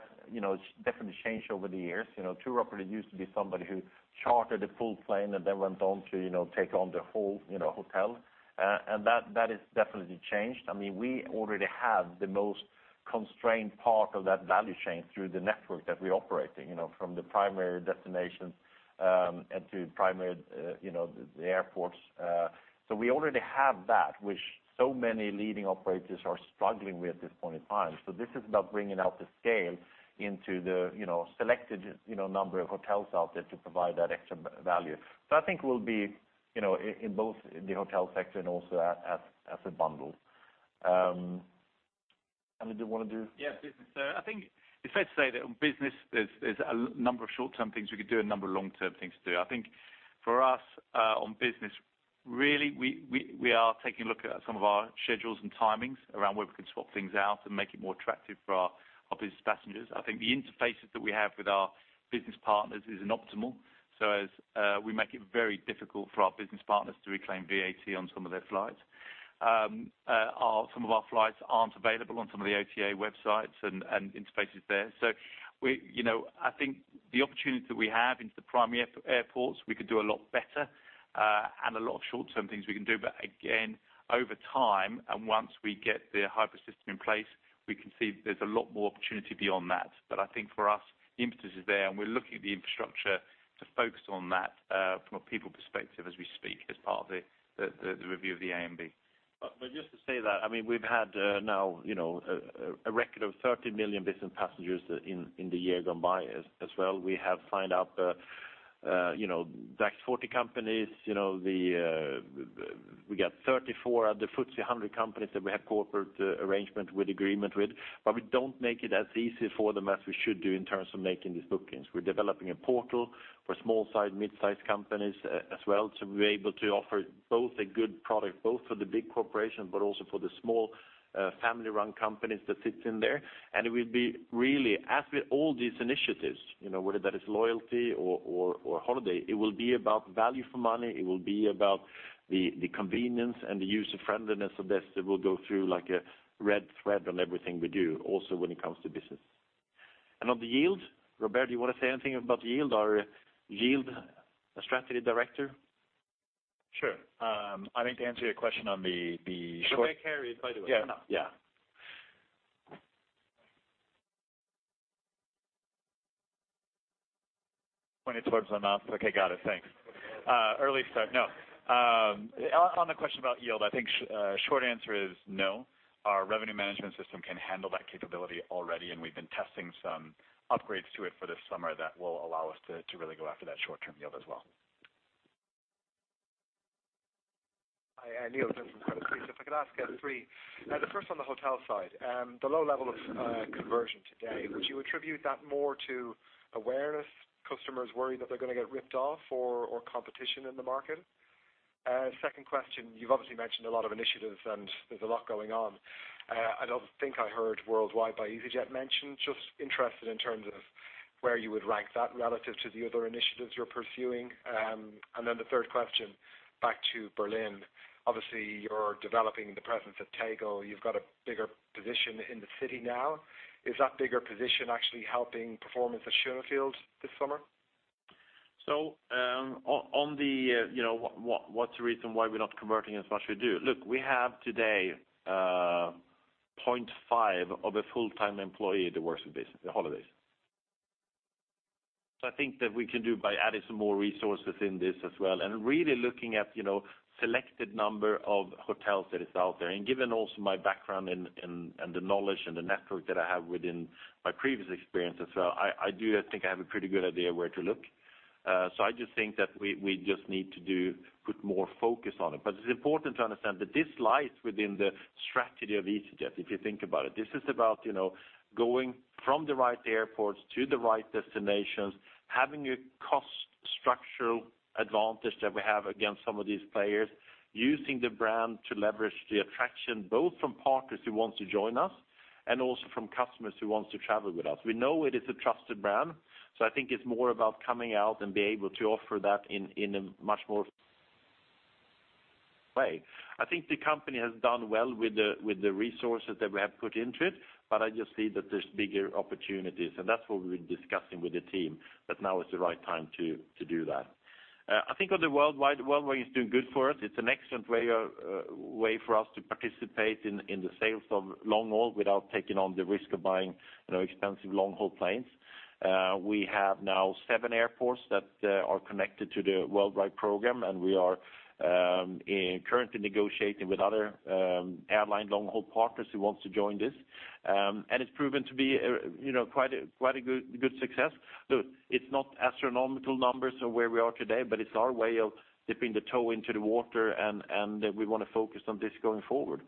definitely changed over the years. Tour operator used to be somebody who chartered a full plane and then went on to take on the whole hotel. That has definitely changed. We already have the most constrained part of that value chain through the network that we operate in. From the primary destinations and to primary airports. We already have that, which so many leading operators are struggling with at this point in time. This is about bringing out the scale into the selected number of hotels out there to provide that extra value. I think we'll be in both the hotel sector and also as a bundle. Andy, do you want to do? Yes. I think it's fair to say that on business, there's a number of short-term things we could do and a number of long-term things to do. I think for us, on business, really, we are taking a look at some of our schedules and timings around where we can swap things out and make it more attractive for our business passengers. I think the interfaces that we have with our business partners is suboptimal. As we make it very difficult for our business partners to reclaim VAT on some of their flights. Some of our flights aren't available on some of the OTA websites and interfaces there. I think the opportunities that we have into the primary airports, we could do a lot better. A lot of short-term things we can do, again, over time, once we get the HIPER system in place, we can see there's a lot more opportunity beyond that. I think for us, the impetus is there, and we're looking at the infrastructure to focus on that from a people perspective as we speak as part of the review of the AMB. Just to say that, we've had now a record of 30 million business passengers in the year gone by as well. We have signed up DAX 40 companies. We got 34 of the FTSE 100 companies that we have corporate arrangement with agreement with. We don't make it as easy for them as we should do in terms of making these bookings. We're developing a portal for small-sized, mid-size companies as well to be able to offer both a good product, both for the big corporations, but also for the small family-run companies that sit in there. It will be really, as with all these initiatives, whether that is loyalty or holiday, it will be about value for money. It will be about the convenience and the user-friendliness of this that will go through like a red thread on everything we do, also when it comes to business. On the yield, Robert, do you want to say anything about the yield? Our Yield Strategy Director. Sure. I think to answer your question on the short- With that carried, by the way. Yeah. Pointed towards the mouth. Okay, got it. Thanks. Early start. No. The question about yield, I think short answer is no. Our revenue management system can handle that capability already, and we've been testing some upgrades to it for this summer that will allow us to really go after that short-term yield as well. Hi, Neil Jones from Credit Suisse. If I could ask three. The first on the hotel side. The low level of conversion today, would you attribute that more to awareness, customers worried that they're going to get ripped off or competition in the market? Second question, you've obviously mentioned a lot of initiatives and there's a lot going on. I don't think I heard Worldwide by easyJet mentioned, just interested in terms of where you would rank that relative to the other initiatives you're pursuing. The third question, back to Berlin. Obviously, you're developing the presence at Tegel. You've got a bigger position in the city now. Is that bigger position actually helping performance at Schönefeld this summer? On the what's the reason why we're not converting as much as we do? Look, we have today 0.5 of a full-time employee that works with this, the holidays. I think that we can do by adding some more resources in this as well and really looking at selected number of hotels that is out there. Given also my background and the knowledge and the network that I have within my previous experience as well, I do think I have a pretty good idea where to look. I just think that we just need to put more focus on it. It's important to understand that this lies within the strategy of easyJet, if you think about it. This is about going from the right airports to the right destinations, having a cost structural advantage that we have against some of these players, using the brand to leverage the attraction, both from partners who want to join us and also from customers who want to travel with us. We know it is a trusted brand. I think it's more about coming out and being able to offer that in a much more way. I think the company has done well with the resources that we have put into it. I just see that there's bigger opportunities, and that's what we've been discussing with the team, that now is the right time to do that. I think on the Worldwide is doing good for us. It's an excellent way for us to participate in the sales of long-haul without taking on the risk of buying expensive long-haul planes. We have now seven airports that are connected to the Worldwide program. We are currently negotiating with other airline long-haul partners who want to join this. It's proven to be quite a good success. Look, it's not astronomical numbers of where we are today. It's our way of dipping the toe into the water, and we want to focus on this going forward.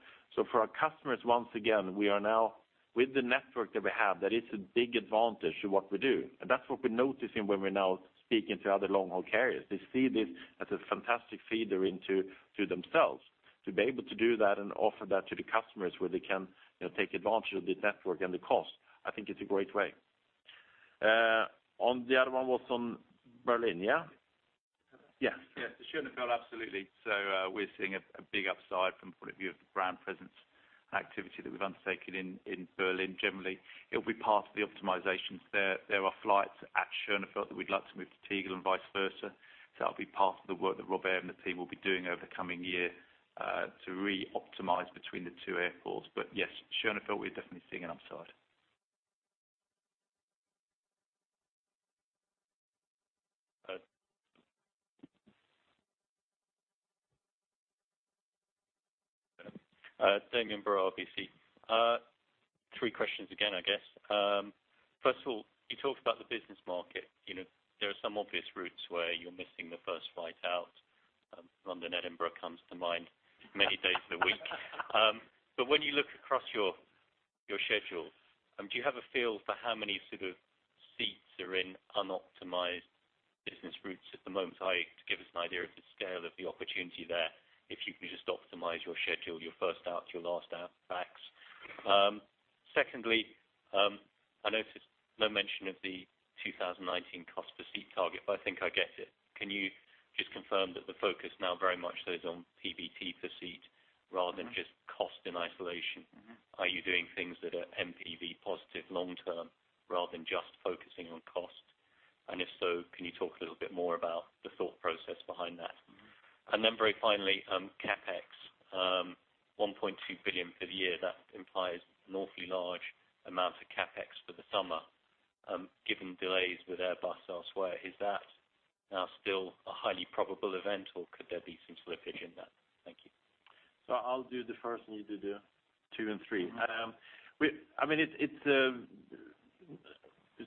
For our customers, once again, we are now with the network that we have, that is a big advantage to what we do. That's what we're noticing when we're now speaking to other long-haul carriers. They see this as a fantastic feeder into themselves. To be able to do that and offer that to the customers where they can take advantage of the network and the cost, I think it's a great way. On the other one was on Berlin, yeah? Yes. Schönefeld, absolutely. We're seeing a big upside from the point of view of the brand presence and activity that we've undertaken in Berlin generally. It will be part of the optimizations there. There are flights at Schönefeld that we'd like to move to Tegel and vice versa. That'll be part of the work that Robert and the team will be doing over the coming year to re-optimize between the two airports. Yes, Schönefeld, we're definitely seeing an upside. Damian Brewer, RBC. Three questions again, I guess. First of all, you talked about the business market. There are some obvious routes where you're missing the first flight out. London, Edinburgh comes to mind many days of the week. When you look across your schedules, do you have a feel for how many seats are in unoptimized business routes at the moment? To give us an idea of the scale of the opportunity there, if you could just optimize your schedule, your first out, your last out facts. Secondly, I noticed no mention of the 2019 cost per seat target, but I think I get it. Can you just confirm that the focus now very much is on PBT per seat rather than just cost in isolation? Are you doing things that are NPV positive long term rather than just focusing on cost? If so, can you talk a little bit more about the thought process behind that? Very finally, CapEx. 1.2 billion for the year. That implies an awfully large amount of CapEx for the summer. Given delays with Airbus elsewhere, is that now still a highly probable event, or could there be some slippage in that? Thank you. I'll do the first, and you do the two and three. It's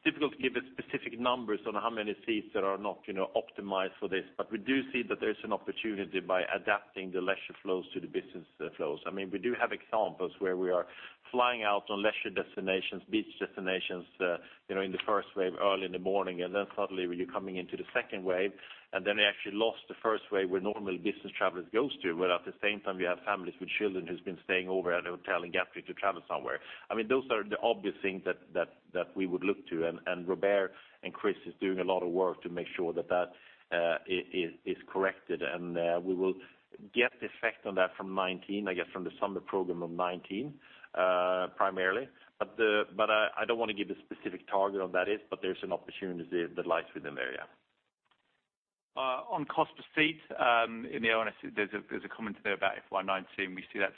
difficult to give specific numbers on how many seats that are not optimized for this. We do see that there's an opportunity by adapting the leisure flows to the business flows. We do have examples where we are flying out on leisure destinations, beach destinations in the first wave, early in the morning. Suddenly when you're coming into the second wave, we actually lost the first wave where normally business travelers go to, where at the same time, we have families with children who's been staying over at a hotel and getting ready to travel somewhere. Those are the obvious things that we would look to. Robert and Chris is doing a lot of work to make sure that is corrected. We will get the effect on that from 2019, I guess, from the summer program of 2019, primarily. I don't want to give a specific target on that is, there's an opportunity that lies within the area. On cost per seat, in the RNS, there's a comment there about FY 2019. We see that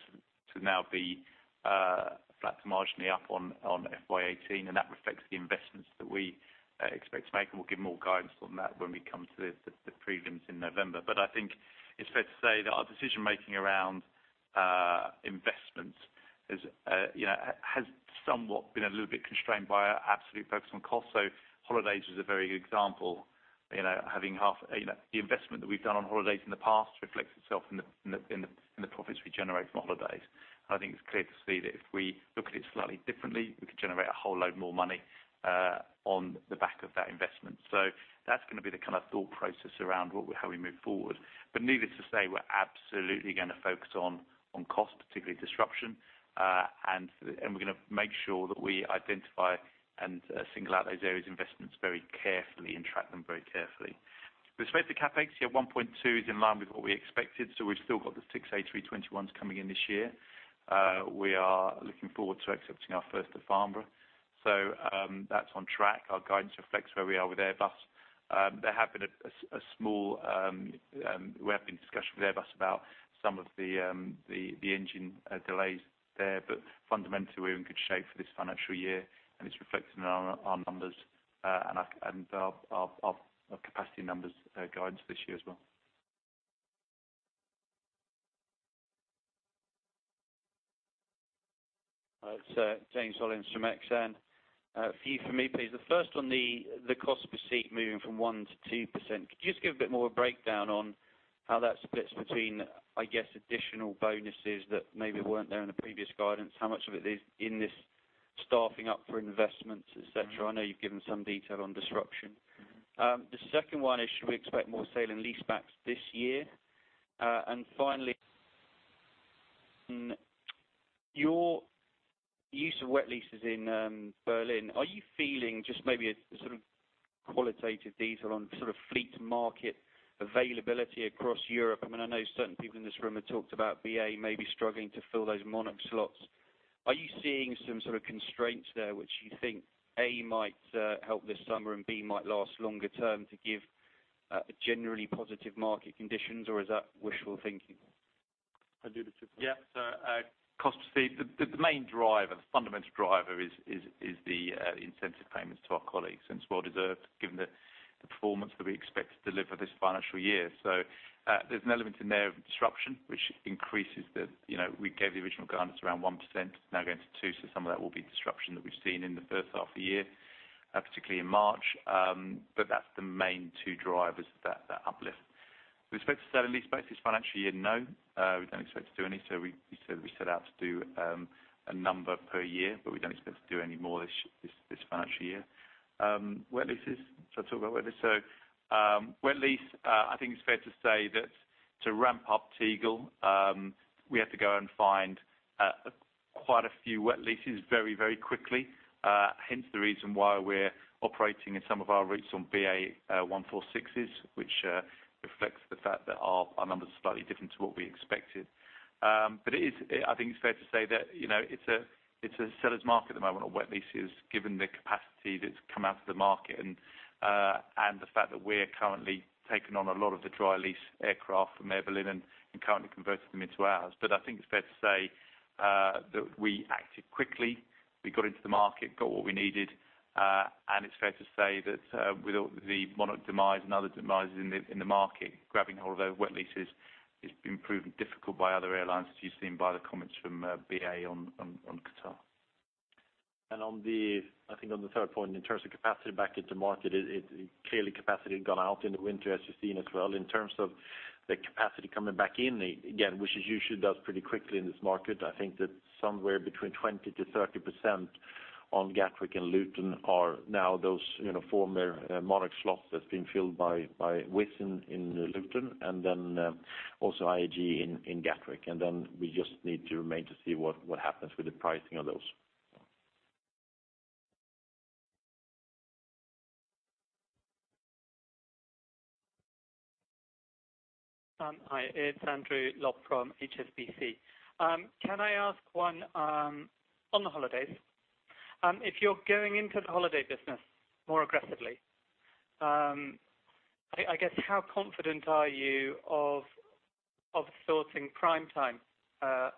to now be flat to marginally up on FY 2018, that reflects the investments that we expect to make. We'll give more guidance on that when we come to the prelims in November. I think it's fair to say that our decision-making around investments has somewhat been a little bit constrained by our absolute focus on cost. Holidays is a very good example. The investment that we've done on Holidays in the past reflects itself in the profits we generate from Holidays. I think it's clear to see that if we look at it slightly differently, we could generate a whole load more money on the back of that investment. That's going to be the thought process around how we move forward. Needless to say, we're absolutely going to focus on cost, particularly disruption. We're going to make sure that we identify and single out those areas of investments very carefully and track them very carefully. With respect to CapEx, yeah, 1.2 is in line with what we expected. We've still got the six A321s coming in this year. We are looking forward to accepting our first at Farnborough. That's on track. Our guidance reflects where we are with Airbus. We're having discussions with Airbus about some of the engine delays there. Fundamentally, we're in good shape for this financial year, and it's reflected in our numbers and our capacity numbers guidance this year as well. James Hollins from Exane. A few from me, please. The first on the cost per seat moving from 1%-2%. Could you just give a bit more breakdown on how that splits between, I guess, additional bonuses that maybe weren't there in the previous guidance? How much of it is in this staffing up for investments, et cetera? I know you've given some detail on disruption. The second one is, should we expect more sale and leasebacks this year? Finally, your use of wet leases in Berlin, are you feeling just maybe a sort of qualitative detail on fleet market availability across Europe? I know certain people in this room have talked about BA may be struggling to fill those Monarch slots. Are you seeing some sort of constraints there which you think, A, might help this summer and B, might last longer term to give generally positive market conditions or is that wishful thinking? I'll do the first one. Cost per seat. The main driver, the fundamental driver is the incentive payments to our colleagues, and it's well deserved given the performance that we expect to deliver this financial year. There's an element in there of disruption, which increases the we gave the original guidance around 1%, now going to 2%, some of that will be disruption that we've seen in the first half of the year, particularly in March. That's the main two drivers of that uplift. Do we expect to sell and lease back this financial year? No, we don't expect to do any. We said that we set out to do a number per year, but we don't expect to do any more this financial year. Wet leases? Shall I talk about wet leases? Wet lease, I think it's fair to say that to ramp up Tegel, we have to go and find quite a few wet leases very quickly. Hence, the reason why we're operating in some of our routes on BAe 146s, which reflects the fact that our numbers are slightly different to what we expected. I think it's fair to say that it's a seller's market at the moment on wet leases, given the capacity that's come out of the market and the fact that we're currently taking on a lot of the dry lease aircraft from Aer Lingus and currently converting them into ours. I think it's fair to say that we acted quickly. We got into the market, got what we needed. It's fair to say that with all the Monarch demise and other demises in the market, grabbing hold of those wet leases has been proven difficult by other airlines, as you've seen by the comments from BA on Qatar. I think on the third point, in terms of capacity back into market, clearly capacity had gone out in the winter, as you've seen as well. In terms of the capacity coming back in, again, which it usually does pretty quickly in this market. I think that somewhere between 20%-30% on Gatwick and Luton are now those former Monarch slots that's been filled by Wizz in Luton and then also IAG in Gatwick. Then we just need to remain to see what happens with the pricing of those. Hi, it's Andrew Lobbenberg from HSBC. Can I ask one on the holidays? If you're going into the holiday business more aggressively, I guess, how confident are you of sorting prime time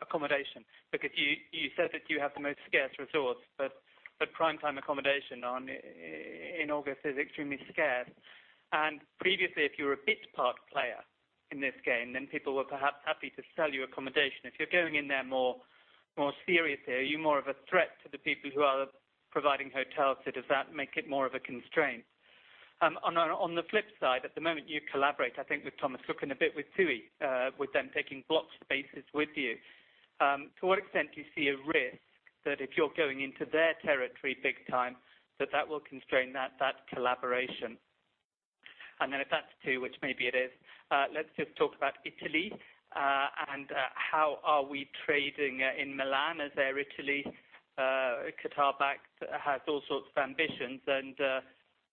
accommodation? Because you said that you have the most scarce resource, but prime time accommodation in August is extremely scarce. Previously, if you were a bit part player in this game, then people were perhaps happy to sell you accommodation. If you're going in there more seriously, are you more of a threat to the people who are providing hotels? Does that make it more of a constraint? On the flip side, at the moment, you collaborate, I think with Thomas Cook and a bit with TUI, with them taking block spaces with you. To what extent do you see a risk that if you're going into their territory big time, that that will constrain that collaboration? Then if that's two, which maybe it is, let's just talk about Italy and how are we trading in Milan as Air Italy, Qatar-backed has all sorts of ambitions, and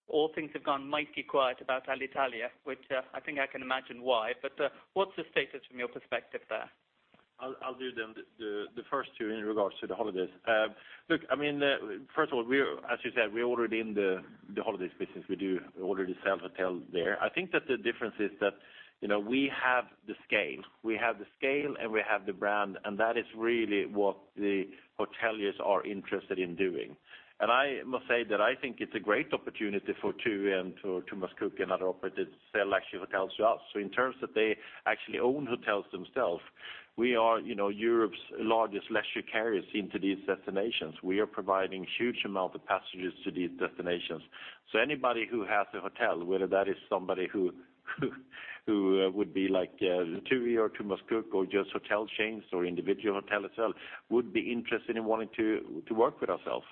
all things have gone mighty quiet about Alitalia, which I think I can imagine why. What's the status from your perspective there? I'll do the first two in regards to the holidays. Look, first of all, as you said, we're already in the holidays business. We do already sell hotels there. I think that the difference is that we have the scale. We have the scale and we have the brand, and that is really what the hoteliers are interested in doing. I must say that I think it's a great opportunity for TUI and for Thomas Cook and other operators to sell luxury hotels to us. In terms that they actually own hotels themselves, we are Europe's largest leisure carriers into these destinations. We are providing huge amount of passengers to these destinations. Anybody who has a hotel, whether that is somebody who would be like TUI or Thomas Cook or just hotel chains or individual hotel itself, would be interested in wanting to work with ourselves.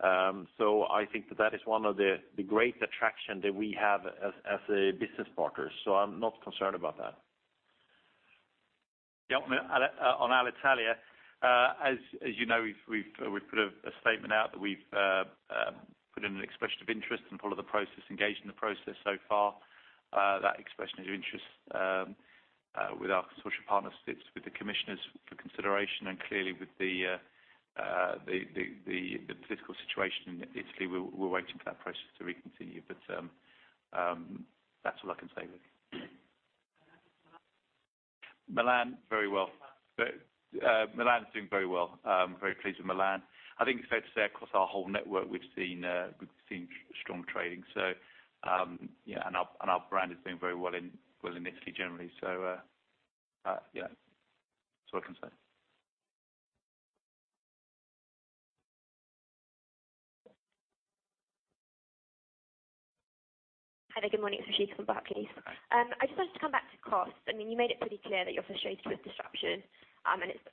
I think that that is one of the great attraction that we have as business partners. I'm not concerned about that. On Alitalia, as you know, we've put a statement out that we've put in an expression of interest, followed the process, engaged in the process so far. That expression of interest with our consortium partners sits with the commissioners for consideration and clearly with the political situation in Italy, we're waiting for that process to recontinue. That's all I can say. Milan very well. Milan is doing very well. I'm very pleased with Milan. I think it's fair to say across our whole network, we've seen strong trading. Our brand is doing very well in Italy generally. That's all I can say. Hi there. Good morning. Ashika from Barclays. I just wanted to come back to cost. You made it pretty clear that you're frustrated with disruption, it's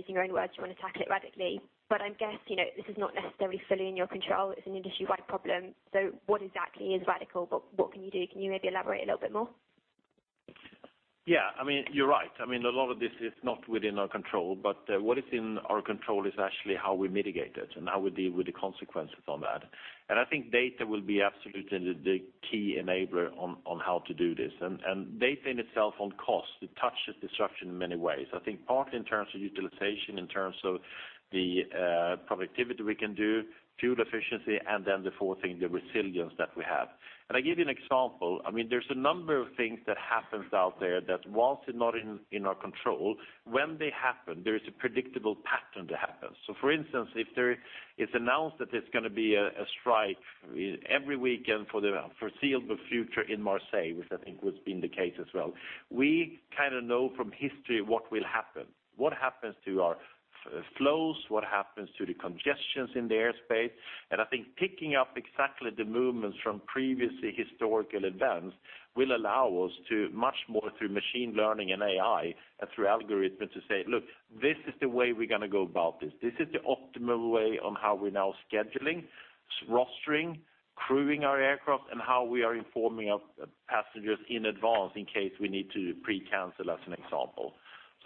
using your own words, you want to tackle it radically. I guess, this is not necessarily fully in your control. It's an industry-wide problem. What exactly is radical, but what can you do? Can you maybe elaborate a little bit more? Yeah. You're right. A lot of this is not within our control, but what is in our control is actually how we mitigate it and how we deal with the consequences on that. I think data will be absolutely the key enabler on how to do this. Data in itself on cost, it touches disruption in many ways. I think partly in terms of utilization, in terms of the productivity we can do, fuel efficiency, and then the fourth thing, the resilience that we have. I give you an example. There's a number of things that happens out there that whilst they're not in our control, when they happen, there is a predictable pattern that happens. For instance, if there is announced that there's going to be a strike every weekend for the foreseeable future in Marseille, which I think has been the case as well. We kind of know from history what will happen, what happens to our flows, what happens to the congestions in the airspace. I think picking up exactly the movements from previous historical events will allow us to much more through machine learning and AI and through algorithms to say, "Look, this is the way we're going to go about this. This is the optimal way on how we're now scheduling." Rostering, crewing our aircraft, and how we are informing our passengers in advance in case we need to pre-cancel, as an example.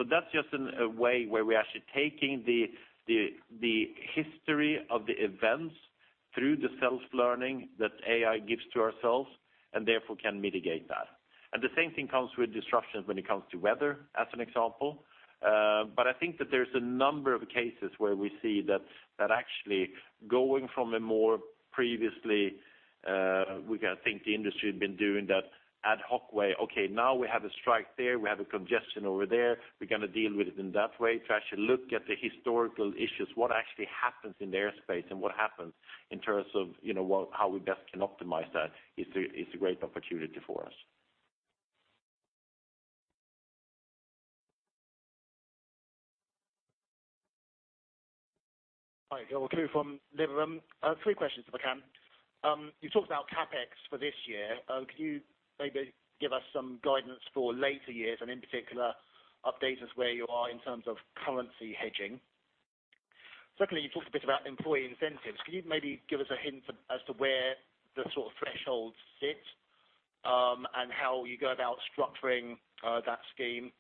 That's just a way where we're actually taking the history of the events through the self-learning that AI gives to ourselves, and therefore can mitigate that. The same thing comes with disruptions when it comes to weather, as an example. I think that there's a number of cases where we see that actually going from a more previously, I think the industry had been doing that ad hoc way. Now we have a strike there. We have a congestion over there. We're going to deal with it in that way. To actually look at the historical issues, what actually happens in the airspace and what happens in terms of how we best can optimize that is a great opportunity for us. Hi, Joe Spooner from Liberum. Three questions if I can. You talked about CapEx for this year. Could you maybe give us some guidance for later years and in particular update us where you are in terms of currency hedging? Secondly, you talked a bit about employee incentives. Could you maybe give us a hint as to where the sort of thresholds sit, and how you go about structuring that scheme?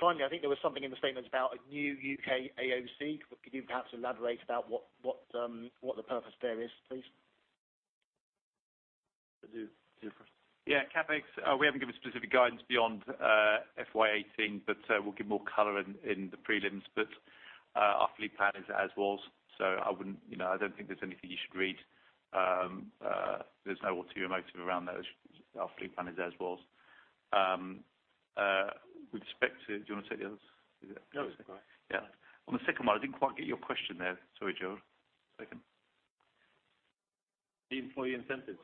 Finally, I think there was something in the statements about a new U.K. AOC. Could you perhaps elaborate about what the purpose there is, please? You first. CapEx, we haven't given specific guidance beyond FY 2018, but we'll give more color in the prelims. Our fleet plan is as was, so I don't think there's anything you should read. There's no ulterior motive around those. Our fleet plan is as was. Do you want to take the others? No, that's all right. On the second one, I didn't quite get your question there. Sorry, Joe. The employee incentives.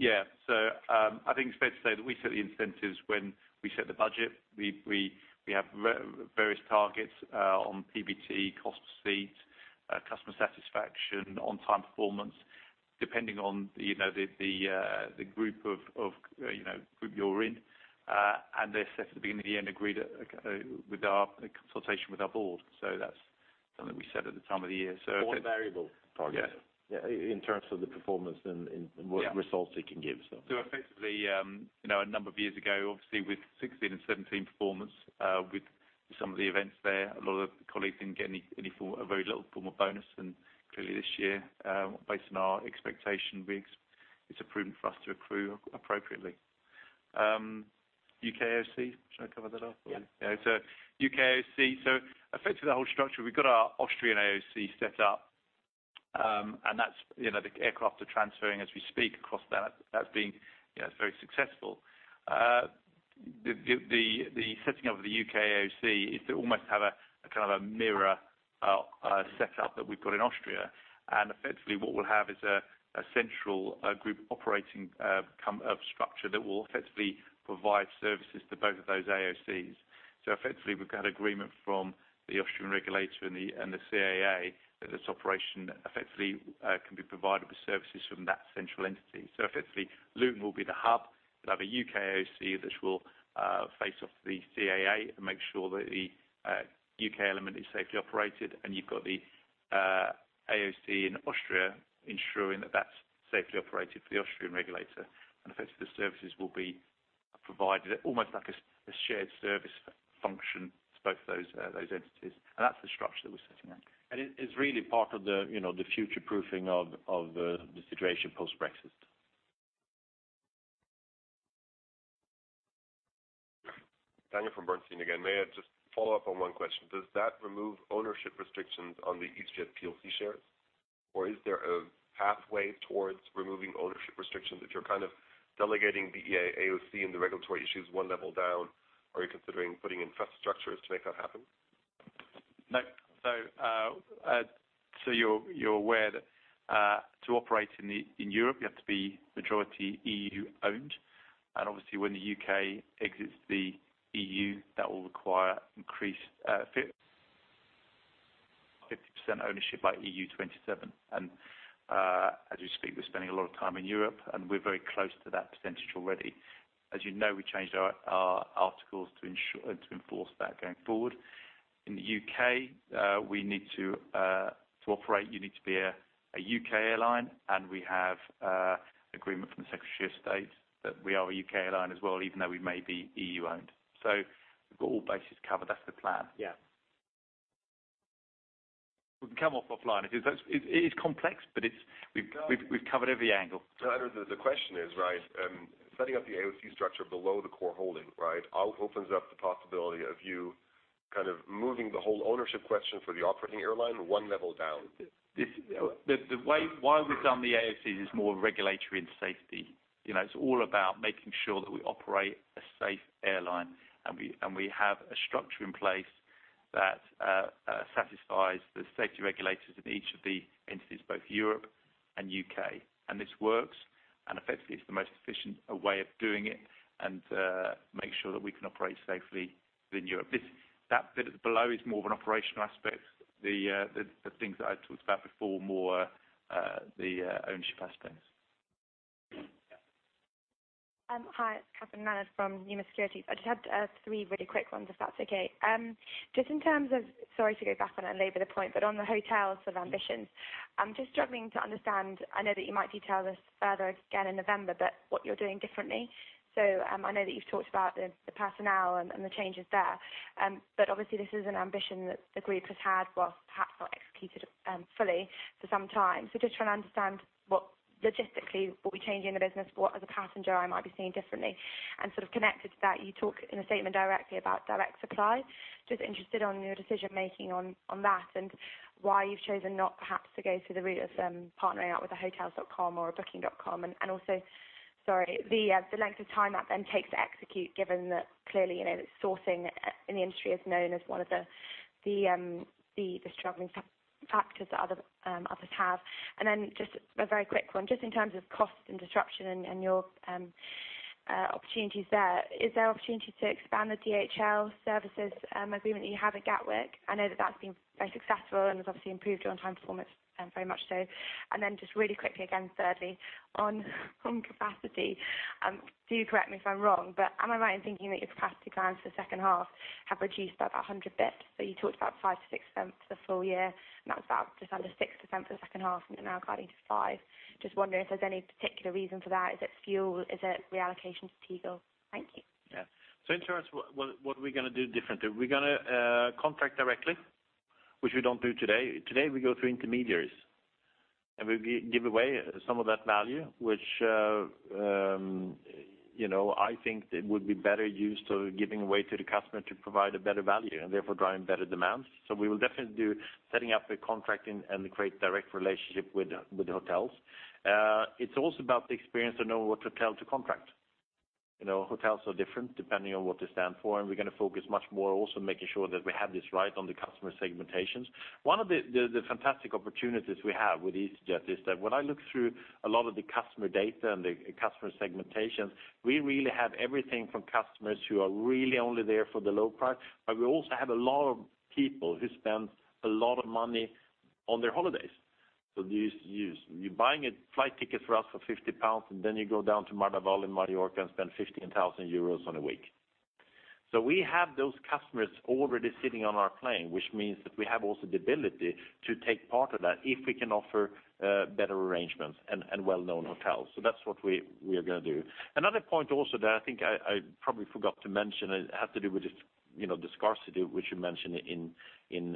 I think it's fair to say that we set the incentives when we set the budget. We have various targets on PBT, cost per seat, customer satisfaction, on-time performance, depending on the group you're in. They're set at the beginning of the year and agreed with our consultation with our Board. That's something we set at the time of the year. One variable target- Yeah in terms of the performance and what results it can give. Effectively, a number of years ago, obviously with 2016 and 2017 performance, with some of the events there, a lot of colleagues didn't get a very little form of bonus. Clearly this year, based on our expectation, it's approved for us to accrue appropriately. U.K. AOC, should I cover that off? Yeah. U.K. AOC, effectively the whole structure, we've got our Austrian AOC set up. The aircraft are transferring as we speak across that. That's been very successful. The setting up of the U.K. AOC is to almost have a kind of mirror set up that we've got in Austria. Effectively what we'll have is a central group operating structure that will effectively provide services to both of those AOCs. Effectively, we've got agreement from the Austrian regulator and the CAA that this operation effectively can be provided with services from that central entity. Effectively, Luton will be the hub. We'll have a U.K. AOC that will face off the CAA and make sure that the U.K. element is safely operated. You've got the AOC in Austria ensuring that that's safely operated for the Austrian regulator. Effectively, the services will be provided almost like a shared service function to both those entities. That's the structure that we're sitting in. It is really part of the future-proofing of the situation post-Brexit. Daniel from Bernstein again. May I just follow up on one question? Does that remove ownership restrictions on the easyJet plc shares? Or is there a pathway towards removing ownership restrictions if you're kind of delegating the AOC and the regulatory issues one level down? Are you considering putting infrastructures to make that happen? No. You're aware that to operate in Europe, you have to be majority EU-owned. Obviously when the U.K. exits the EU, that will require increased 50% ownership by EU-27. As we speak, we're spending a lot of time in Europe, and we're very close to that percentage already. As you know, we changed our articles to ensure and to enforce that going forward. In the U.K., to operate, you need to be a U.K. airline, and we have agreement from the Secretary of State that we are a U.K. airline as well, even though we may be EU-owned. We've got all bases covered. That's the plan. Yeah. We can come off offline. It is complex, but we've covered every angle. No, the question is, setting up the AOC structure below the core holding, opens up the possibility of you kind of moving the whole ownership question for the operating airline one level down. Why we've done the AOC is more regulatory and safety. It's all about making sure that we operate a safe airline, and we have a structure in place that satisfies the safety regulators in each of the entities, both Europe and U.K. This works, and effectively, it's the most efficient way of doing it and make sure that we can operate safely within Europe. That bit below is more of an operational aspect. The things that I talked about before, more the ownership aspects. Hi, it's Catherine O'Neill from Numis Securities. I just had three really quick ones, if that's okay. Sorry to go back and labor the point, but on the hotels ambitions, I'm just struggling to understand. I know that you might detail this further again in November, but what you're doing differently. I know that you've talked about the personnel and the changes there, but obviously this is an ambition that the group has had whilst perhaps not executed fully for some time. Just trying to understand logistically, what we change in the business, what as a passenger I might be seeing differently. Sort of connected to that, you talk in a statement directly about direct supply. Just interested on your decision-making on that and why you've chosen not perhaps to go through the route of partnering up with a Hotels.com or a Booking.com and also, sorry, the length of time that then takes to execute, given that clearly, sourcing in the industry is known as one of the struggling factors that others have. Just a very quick one, just in terms of cost and disruption and your opportunities there. Is there opportunity to expand the DHL services agreement that you have at Gatwick? I know that that's been very successful and has obviously improved your on time performance very much so. Just really quickly again, thirdly, on capacity. Do correct me if I'm wrong, but am I right in thinking that your capacity plans for the second half have reduced by about 100 basis points? You talked about 5%-6% for the full year, and that was about just under 6% for the second half, and now guiding to 5%. Just wondering if there's any particular reason for that. Is it fuel? Is it reallocation to Tegel? Thank you. In terms what are we going to do differently, we're going to contract directly, which we don't do today. Today, we go through intermediaries. We give away some of that value, which I think would be better used to giving away to the customer to provide a better value and therefore driving better demands. We will definitely do setting up the contracting and create direct relationship with the hotels. It's also about the experience of knowing what hotel to contract. Hotels are different depending on what they stand for. We're going to focus much more also making sure that we have this right on the customer segmentations. One of the fantastic opportunities we have with easyJet is that when I look through a lot of the customer data and the customer segmentations, we really have everything from customers who are really only there for the low price. We also have a lot of people who spend a lot of money on their holidays. You're buying a flight ticket for us for EUR 50. Then you go down to Marbella in Majorca and spend 15,000 euros on a week. We have those customers already sitting on our plane, which means that we have also the ability to take part of that if we can offer better arrangements and well-known hotels. That's what we are going to do. Another point also that I think I probably forgot to mention, it had to do with the scarcity, which you mentioned in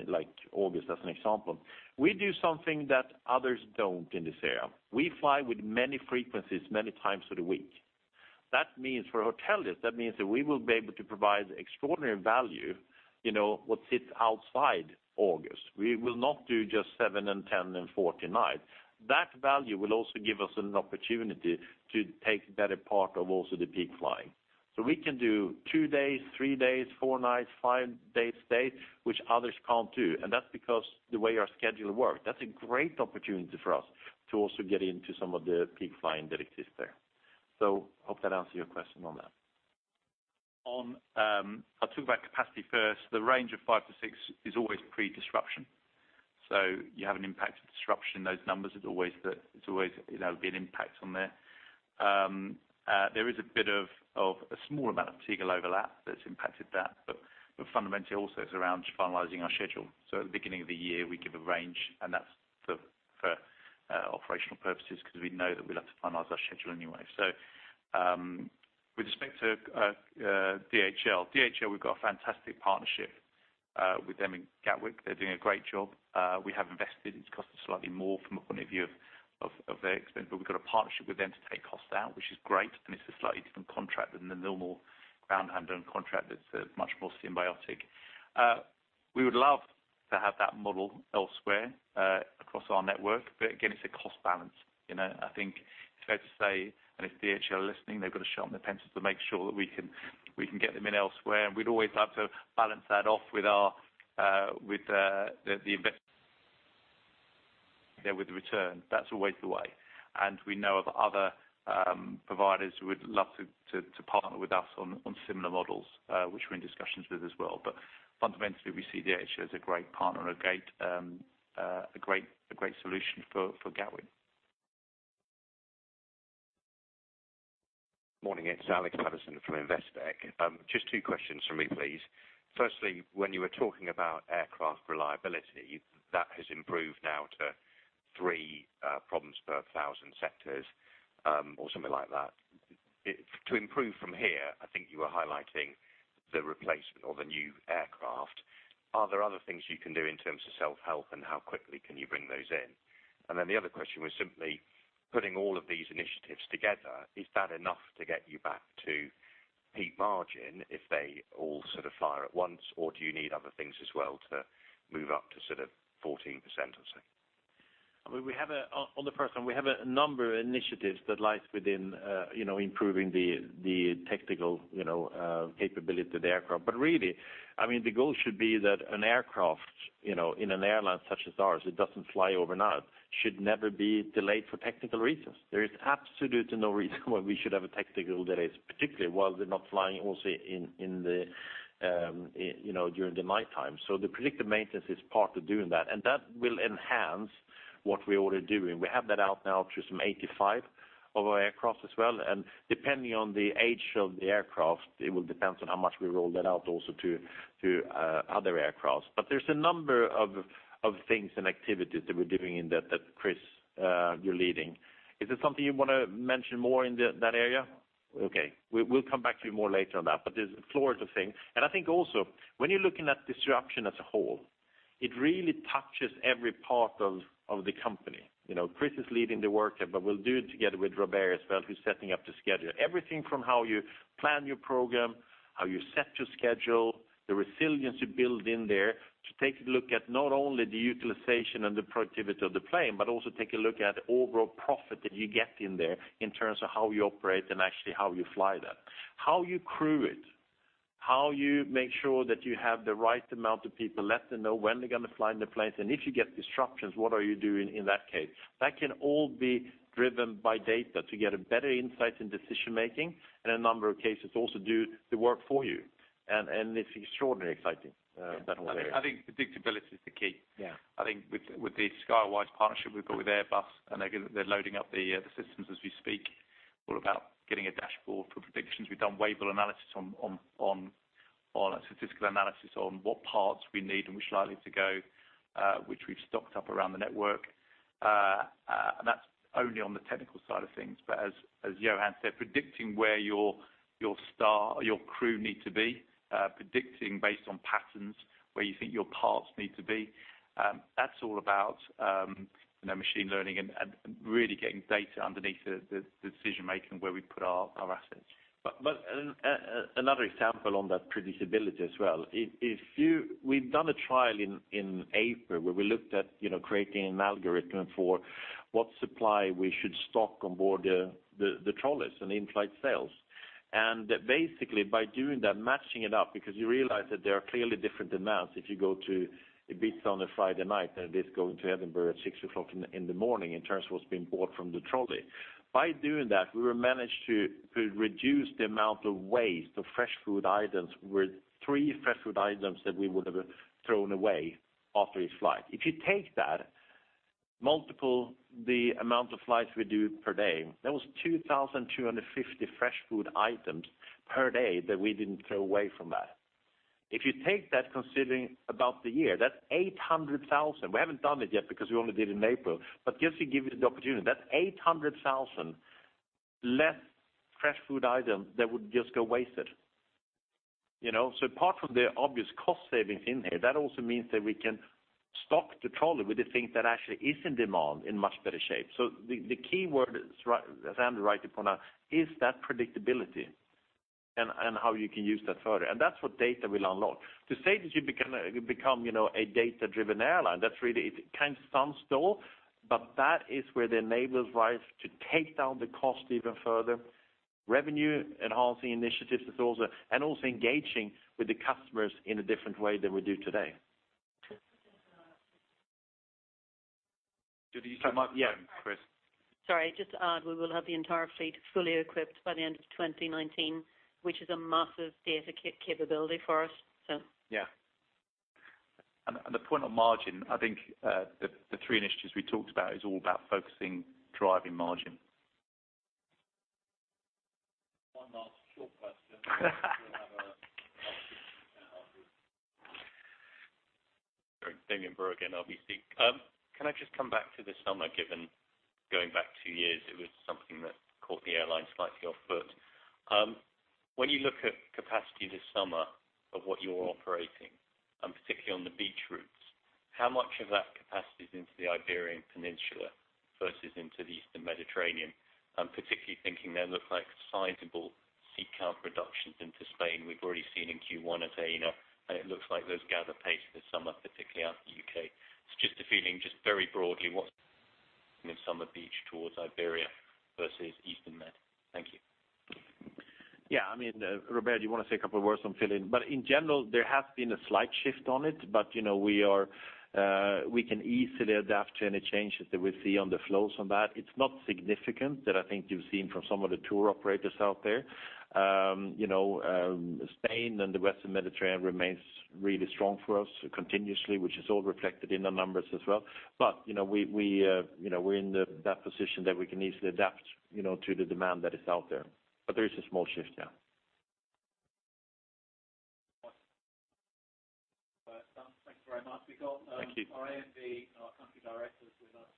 August as an example. We do something that others don't in this area. We fly with many frequencies many times through the week. That means for hoteliers, that means that we will be able to provide extraordinary value, what sits outside August. We will not do just 7 and 10 and 14 nights. That value will also give us an opportunity to take better part of also the peak flying. We can do 2 days, 3 days, 4 nights, 5-day stay, which others can't do, and that's because the way our schedule works. That's a great opportunity for us to also get into some of the peak flying that exists there. Hope that answers your question on that. I'll talk about capacity first. The range of 5 to 6 is always pre-disruption. You have an impact of disruption in those numbers. It'll always be an impact on there. There is a small amount of Tegel overlap that's impacted that. Fundamentally also it's around finalizing our schedule. At the beginning of the year, we give a range and that's for operational purposes because we know that we'll have to finalize our schedule anyway. With respect to DHL. DHL, we've got a fantastic partnership with them in Gatwick. They're doing a great job. We have invested. It's cost us slightly more from a point of view of their expense. We've got a partnership with them to take costs out, which is great, and it's a slightly different contract than the normal ground handling contract that's much more symbiotic. We would love to have that model elsewhere, across our network. Again, it's a cost balance. I think it's fair to say, and if DHL are listening, they've got to sharpen their pencil to make sure that we can get them in elsewhere, and we'd always have to balance that off with the return. That's always the way. We know of other providers who would love to partner with us on similar models, which we're in discussions with as well. Fundamentally, we see DHL as a great partner and a great solution for Gatwick. Morning. It's Alex Paterson from Investec. Just two questions from me, please. Firstly, when you were talking about aircraft reliability, that has improved now to three problems per 1,000 sectors, or something like that. To improve from here, I think you were highlighting the replacement or the new aircraft. Are there other things you can do in terms of self-help, and how quickly can you bring those in? The other question was simply putting all of these initiatives together, is that enough to get you back to peak margin if they all sort of fire at once, or do you need other things as well to move up to sort of 14% or so? On the first one, we have a number of initiatives that lies within improving the technical capability of the aircraft. Really, the goal should be that an aircraft in an airline such as ours, it doesn't fly overnight, should never be delayed for technical reasons. There is absolutely no reason why we should have a technical that is particularly while they're not flying also during the nighttime. The predictive maintenance is part of doing that, and that will enhance what we're already doing. We have that out now to some 85 of our aircraft as well, and depending on the age of the aircraft, it will depend on how much we roll that out also to other aircraft. There's a number of things and activities that we're doing in that Chris, you're leading. Is it something you want to mention more in that area? Okay. We'll come back to you more later on that, there's a floor to things. I think also when you're looking at disruption as a whole, it really touches every part of the company. Chris is leading the work, but we'll do it together with Robert as well, who's setting up the schedule. Everything from how you plan your program, how you set your schedule, the resilience you build in there to take a look at not only the utilization and the productivity of the plane, but also take a look at overall profit that you get in there in terms of how you operate and actually how you fly that. How you crew it, how you make sure that you have the right amount of people, let them know when they're going to fly in the planes, and if you get disruptions, what are you doing in that case? That can all be driven by data to get a better insight in decision-making, in a number of cases, also do the work for you. It's extraordinarily exciting, that whole area. I think predictability is the key. Yeah. I think with the Skywise partnership we've got with Airbus, they're loading up the systems as we speak, all about getting a dashboard for predictions. We've done wave analysis on a statistical analysis on what parts we need and which are likely to go, which we've stocked up around the network. That's only on the technical side of things. As Johan said, predicting where your crew need to be, predicting based on patterns where you think your parts need to be, that's all about machine learning and really getting data underneath the decision-making where we put our assets. Another example on that predictability as well. We've done a trial in April where we looked at creating an algorithm for what supply we should stock on board the trolleys and in-flight sales. Basically, by doing that, matching it up, because you realize that there are clearly different demands if you go to Ibiza on a Friday night than if you go into Edinburgh at six o'clock in the morning in terms of what's being bought from the trolley. By doing that, we managed to reduce the amount of waste of fresh food items, were three fresh food items that we would have thrown away after each flight. If you take that, multiple the amount of flights we do per day, that was 2,250 fresh food items per day that we didn't throw away from that. If you take that considering about the year, that's 800,000. We haven't done it yet because we only did it in April, just to give you the opportunity, that's 800,000 less fresh food items that would just go wasted. Apart from the obvious cost savings in here, that also means that we can stock the trolley with the things that actually is in demand in much better shape. The key word, as Andrew rightly pointed out, is that predictability and how you can use that further, and that's what data will unlock. To say that you become a data-driven airline, that really sounds dull, that is where the enablers rise to take down the cost even further, revenue-enhancing initiatives, and also engaging with the customers in a different way than we do today. Did you come up? Yeah, Chris. Sorry, just to add, we will have the entire fleet fully equipped by the end of 2019, which is a massive data capability for us. Yeah. The point on margin, I think, the three initiatives we talked about is all about focusing, driving margin. One last short question. Damian Brewer again, RBC. Can I just come back to this summer, given going back two years, it was something that caught the airline slightly off foot. When you look at capacity this summer of what you're operating, and particularly on the beach routes, how much of that capacity is into the Iberian Peninsula versus into the Eastern Med? I'm particularly thinking there looks like sizable seat count reductions into Spain. We've already seen in Q1 at Athens, and it looks like those gather pace this summer, particularly out of the U.K. It's just a feeling, just very broadly, what's in summer beach towards Iberia versus Eastern Med. Thank you. Yeah. Robert, do you want to say a couple words on fill-in? In general, there has been a slight shift on it, but we can easily adapt to any changes that we see on the flows on that. It's not significant that I think you've seen from some of the tour operators out there. Spain and the Western Mediterranean remains really strong for us continuously, which is all reflected in the numbers as well. We're in that position that we can easily adapt to the demand that is out there. There is a small shift, yeah. Thanks very much. Thank you. We got our AMB and our country directors with us. Anybody else?